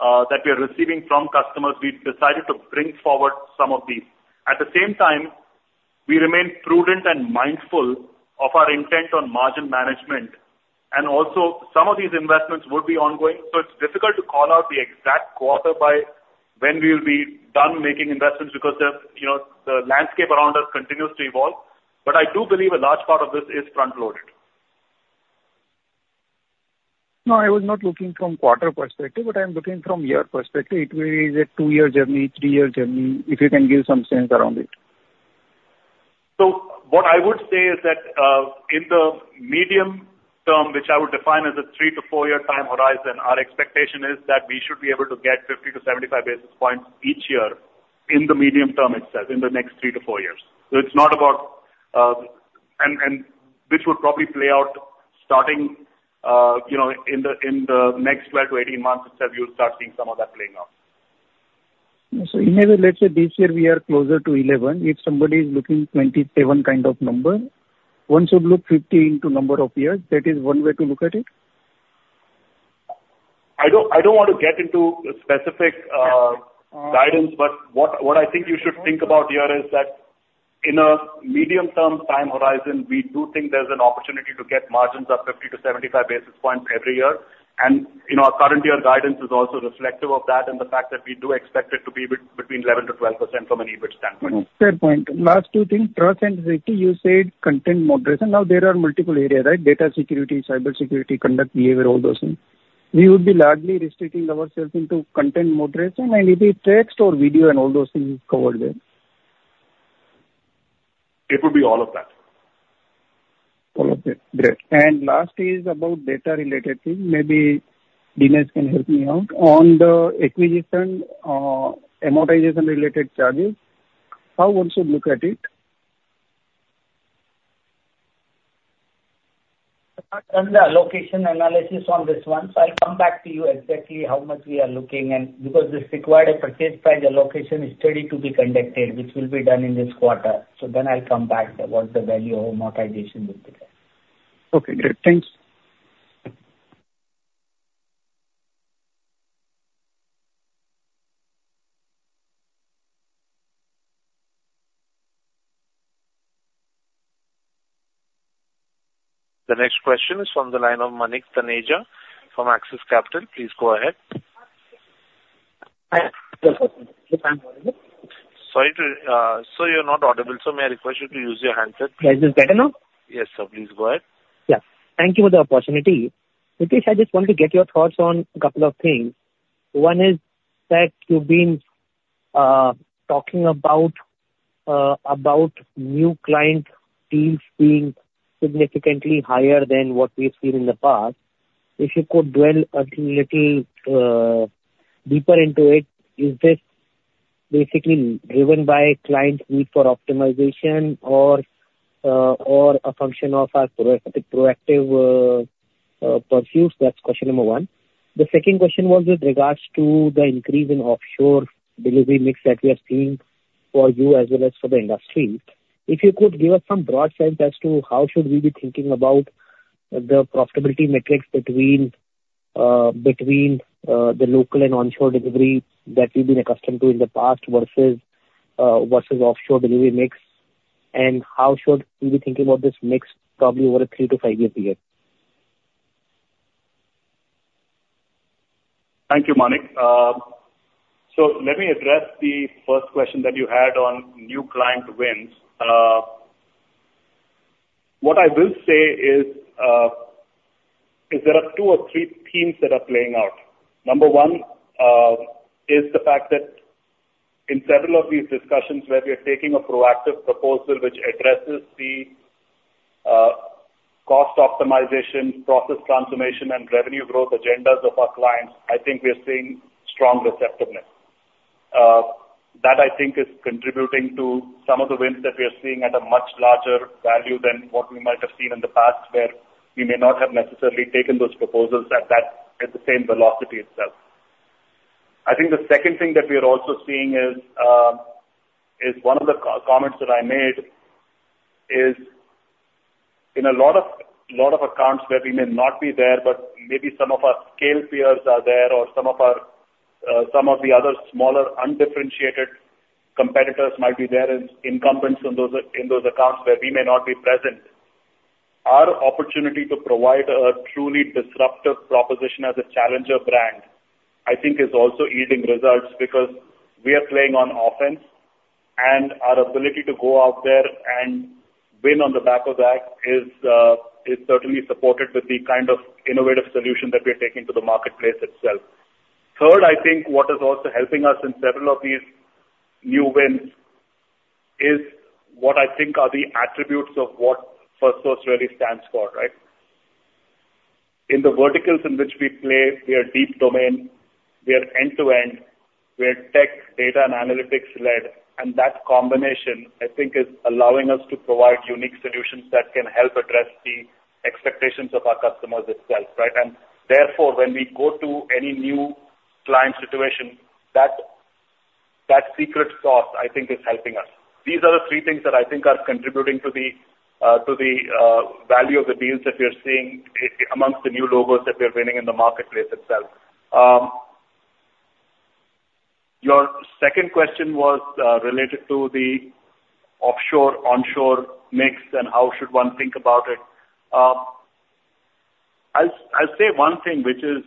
that we are receiving from customers, we've decided to bring forward some of these. At the same time, we remain prudent and mindful of our intent on margin management, and also some of these investments would be ongoing. So it's difficult to call out the exact quarter by when we'll be done making investments because the, you know, the landscape around us continues to evolve. But I do believe a large part of this is front-loaded. No, I was not looking from quarter perspective, but I'm looking from year perspective. It will be a 2-year journey, 3-year journey, if you can give some sense around it. So what I would say is that, in the medium term, which I would define as a 3-4-year time horizon, our expectation is that we should be able to get 50-75 basis points each year in the medium term itself, in the next 3-4 years. So it's not about, this would probably play out starting, you know, in the next 12-18 months, et cetera, you'll start seeing some of that playing out. So in a way, let's say this year, we are closer to 11. If somebody is looking 27 kind of number, one should look 50 into number of years. That is one way to look at it? I don't, I don't want to get into specific guidance, but what, what I think you should think about here is that in a medium-term time horizon, we do think there's an opportunity to get margins of 50-75 basis points every year. And, you know, our current year guidance is also reflective of that and the fact that we do expect it to be between 11%-12% from an EBIT standpoint. Fair point. Last two things, trust and safety, you said content moderation. Now there are multiple areas, right? Data security, cyber security, conduct, behavior, all those things. We would be largely restricting ourselves into content moderation, and it is text or video and all those things covered there?... It would be all of that. All of it. Great. Last is about data-related thing. Maybe Dinesh can help me out. On the acquisition, amortization-related charges, how one should look at it? I've done the allocation analysis on this one, so I'll come back to you exactly how much we are looking, and because this required a purchase price allocation study to be conducted, which will be done in this quarter. So then I'll come back what the value of amortization will be there. Okay, great. Thanks. The next question is from the line of Manik Taneja from Axis Capital. Please go ahead. Hi. Yes, sir. Yes, I'm audible? Sorry to, Sir, you're not audible, so may I request you to use your handset? Yes, is this better now? Yes, sir. Please go ahead. Yeah. Thank you for the opportunity. Ritesh, I just want to get your thoughts on a couple of things. One is that you've been talking about new client deals being significantly higher than what we've seen in the past. If you could dwell a little deeper into it, is this basically driven by clients' need for optimization or a function of our proactive pursuits? That's question number one. The second question was with regards to the increase in offshore delivery mix that we are seeing for you as well as for the industry. If you could give us some broad sense as to how should we be thinking about the profitability metrics between the local and onshore delivery that we've been accustomed to in the past versus offshore delivery mix, and how should we be thinking about this mix probably over a 3-5-year period? Thank you, Manik. So let me address the first question that you had on new client wins. What I will say is, there are two or three themes that are playing out. Number one, is the fact that in several of these discussions where we are taking a proactive proposal which addresses the, cost optimization, process transformation, and revenue growth agendas of our clients, I think we are seeing strong receptiveness. That I think is contributing to some of the wins that we are seeing at a much larger value than what we might have seen in the past, where we may not have necessarily taken those proposals at the same velocity itself. I think the second thing that we are also seeing is one of the comments that I made is in a lot of, lot of accounts where we may not be there, but maybe some of our scale peers are there or some of the other smaller, undifferentiated competitors might be there as incumbents on those, in those accounts where we may not be present. Our opportunity to provide a truly disruptive proposition as a challenger brand, I think, is also yielding results because we are playing on offense, and our ability to go out there and win on the back of that is certainly supported with the kind of innovative solutions that we're taking to the marketplace itself. Third, I think what is also helping us in several of these new wins is what I think are the attributes of what Firstsource really stands for, right? In the verticals in which we play, we are deep domain, we are end-to-end, we are tech, data, and analytics led, and that combination, I think, is allowing us to provide unique solutions that can help address the expectations of our customers itself, right? And therefore, when we go to any new client situation, that, that secret sauce, I think, is helping us. These are the three things that I think are contributing to the value of the deals that we are seeing amongst the new logos that we're winning in the marketplace itself. Your second question was related to the offshore, onshore mix and how should one think about it. I'll say one thing, which is,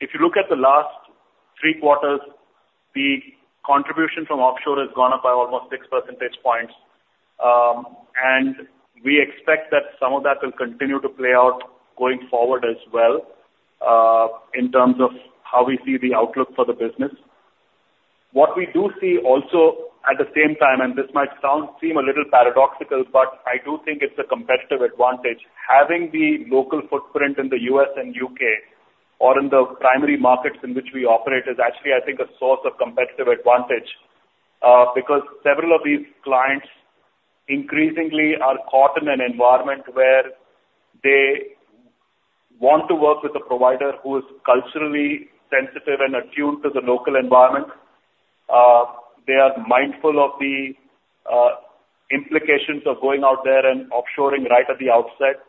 if you look at the last three quarters, the contribution from offshore has gone up by almost six percentage points. And we expect that some of that will continue to play out going forward as well, in terms of how we see the outlook for the business. What we do see also at the same time, and this might seem a little paradoxical, but I do think it's a competitive advantage. Having the local footprint in the U.S. and U.K., or in the primary markets in which we operate, is actually, I think, a source of competitive advantage, because several of these clients increasingly are caught in an environment where they want to work with a provider who is culturally sensitive and attuned to the local environment. They are mindful of the implications of going out there and offshoring right at the outset,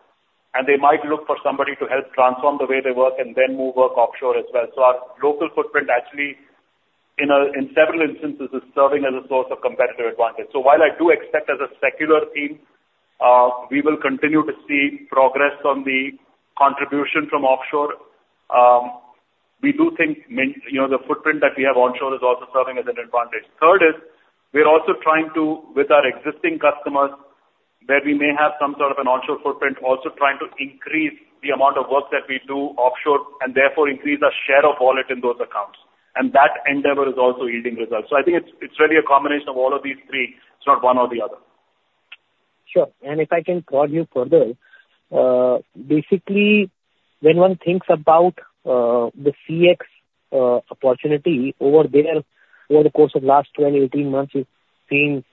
and they might look for somebody to help transform the way they work and then move work offshore as well. So our local footprint actually, in several instances, is serving as a source of competitive advantage. So while I do expect as a secular theme, we will continue to see progress on the contribution from offshore, we do think you know, the footprint that we have onshore is also serving as an advantage. Third is, we are also trying to, with our existing customers where we may have some sort of an onshore footprint, also trying to increase the amount of work that we do offshore and therefore increase our share of wallet in those accounts. And that endeavor is also yielding results. I think it's, it's really a combination of all of these three. It's not one or the other. Sure. And if I can prod you further, basically, when one thinks about, the CX opportunity over there, over the course of last 12, 18 months, we've seen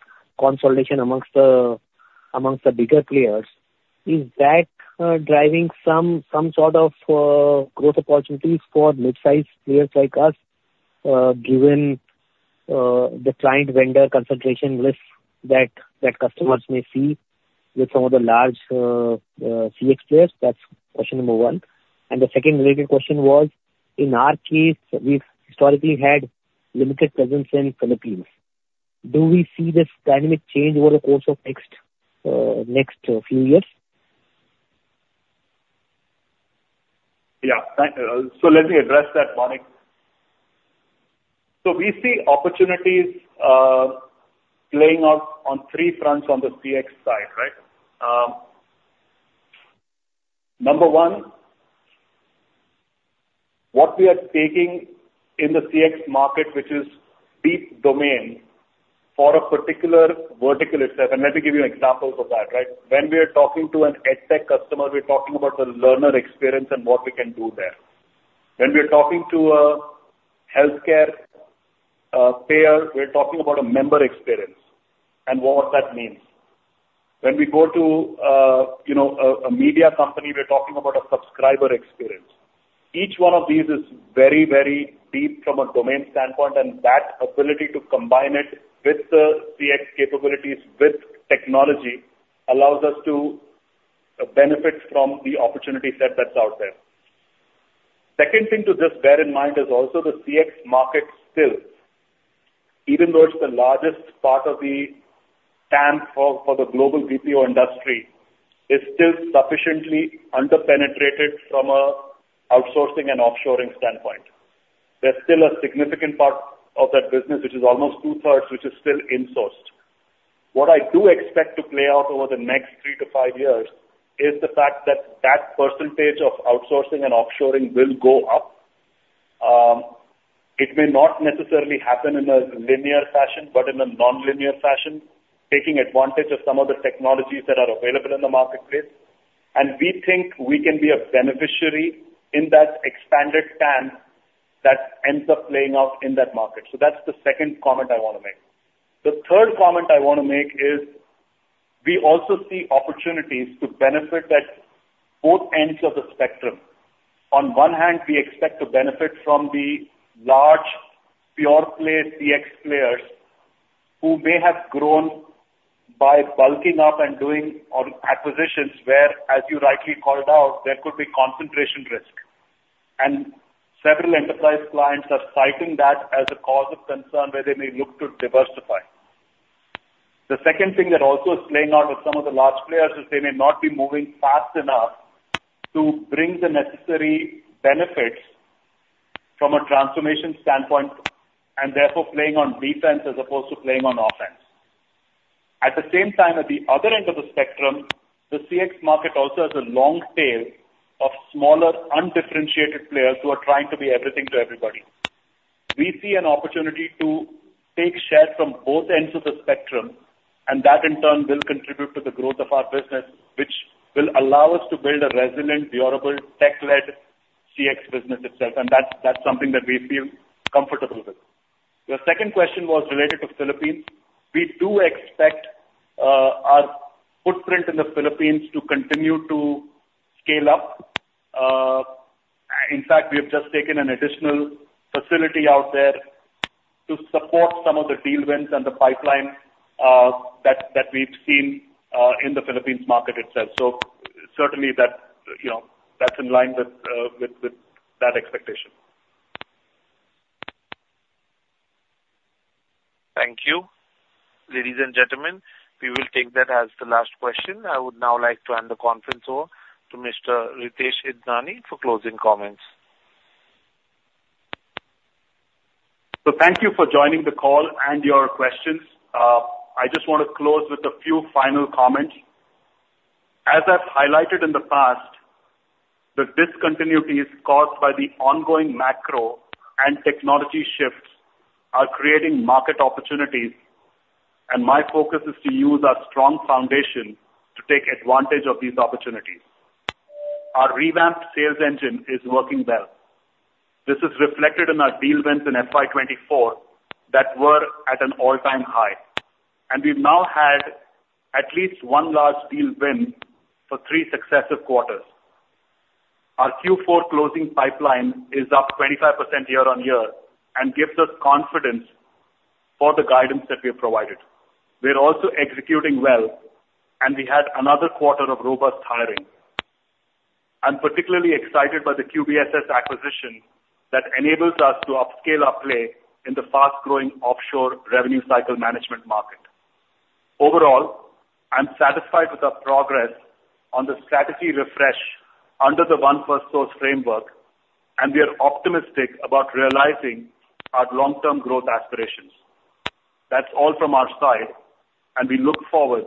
consolidation amongst the, amongst the bigger players. Is that driving some, some sort of, growth opportunities for mid-sized players like us, given the client vendor concentration risk that, that customers may see with some of the large, CX players? That's question number one. And the second related question was, in our case, we've historically had limited presence in Philippines. Do we see this dynamic change over the course of next, next few years? Yeah. So let me address that, Manik. So we see opportunities playing out on three fronts on the CX side, right? Number one, what we are taking in the CX market, which is deep domain for a particular vertical itself, and let me give you an example for that, right? When we are talking to an EdTech customer, we're talking about the learner experience and what we can do there. When we are talking to a healthcare payer, we're talking about a member experience and what that means. When we go to, you know, a media company, we're talking about a subscriber experience. Each one of these is very, very deep from a domain standpoint, and that ability to combine it with the CX capabilities, with technology, allows us to benefit from the opportunity set that's out there. Second thing to just bear in mind is also the CX market still, even though it's the largest part of the TAM for, for the global BPO industry, is still sufficiently under-penetrated from a outsourcing and offshoring standpoint. There's still a significant part of that business, which is almost 2/3, which is still insourced. What I do expect to play out over the next 3-5 years, is the fact that that percentage of outsourcing and offshoring will go up. It may not necessarily happen in a linear fashion, but in a non-linear fashion, taking advantage of some of the technologies that are available in the marketplace, and we think we can be a beneficiary in that expanded TAM that ends up playing out in that market. So that's the second comment I wanna make. The third comment I wanna make is we also see opportunities to benefit at both ends of the spectrum. On one hand, we expect to benefit from the large pure play CX players who may have grown by bulking up and doing, or acquisitions, where, as you rightly called out, there could be concentration risk. Several enterprise clients are citing that as a cause of concern where they may look to diversify. The second thing that also is playing out with some of the large players is they may not be moving fast enough to bring the necessary benefits from a transformation standpoint, and therefore playing on defense as opposed to playing on offense. At the same time, at the other end of the spectrum, the CX market also has a long tail of smaller, undifferentiated players who are trying to be everything to everybody. We see an opportunity to take shares from both ends of the spectrum, and that, in turn, will contribute to the growth of our business, which will allow us to build a resilient, durable, tech-led CX business itself, and that's, that's something that we feel comfortable with. Your second question was related to Philippines. We do expect, our footprint in the Philippines to continue to scale up. In fact, we have just taken an additional facility out there to support some of the deal wins and the pipeline, that, that we've seen, in the Philippines market itself. So certainly that, you know, that's in line with, with, with that expectation. Thank you. Ladies and gentlemen, we will take that as the last question. I would now like to hand the conference over to Mr. Ritesh Idnani for closing comments. So thank you for joining the call and your questions. I just want to close with a few final comments. As I've highlighted in the past, the discontinuities caused by the ongoing macro and technology shifts are creating market opportunities, and my focus is to use our strong foundation to take advantage of these opportunities. Our revamped sales engine is working well. This is reflected in our deal wins in FY 2024, that were at an all-time high. And we've now had at least one large deal win for three successive quarters. Our Q4 closing pipeline is up 25% year-on-year and gives us confidence for the guidance that we have provided. We're also executing well, and we had another quarter of robust hiring. I'm particularly excited by the QBSS acquisition that enables us to upscale our play in the fast-growing offshore revenue cycle management market. Overall, I'm satisfied with our progress on the strategy refresh under the One Firstsource framework, and we are optimistic about realizing our long-term growth aspirations. That's all from our side, and we look forward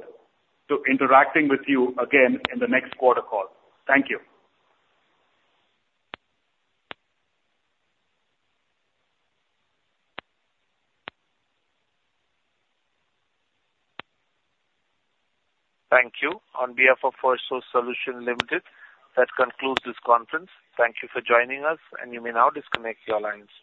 to interacting with you again in the next quarter call. Thank you. Thank you. On behalf of Firstsource Solutions Limited, that concludes this conference. Thank you for joining us, and you may now disconnect your lines.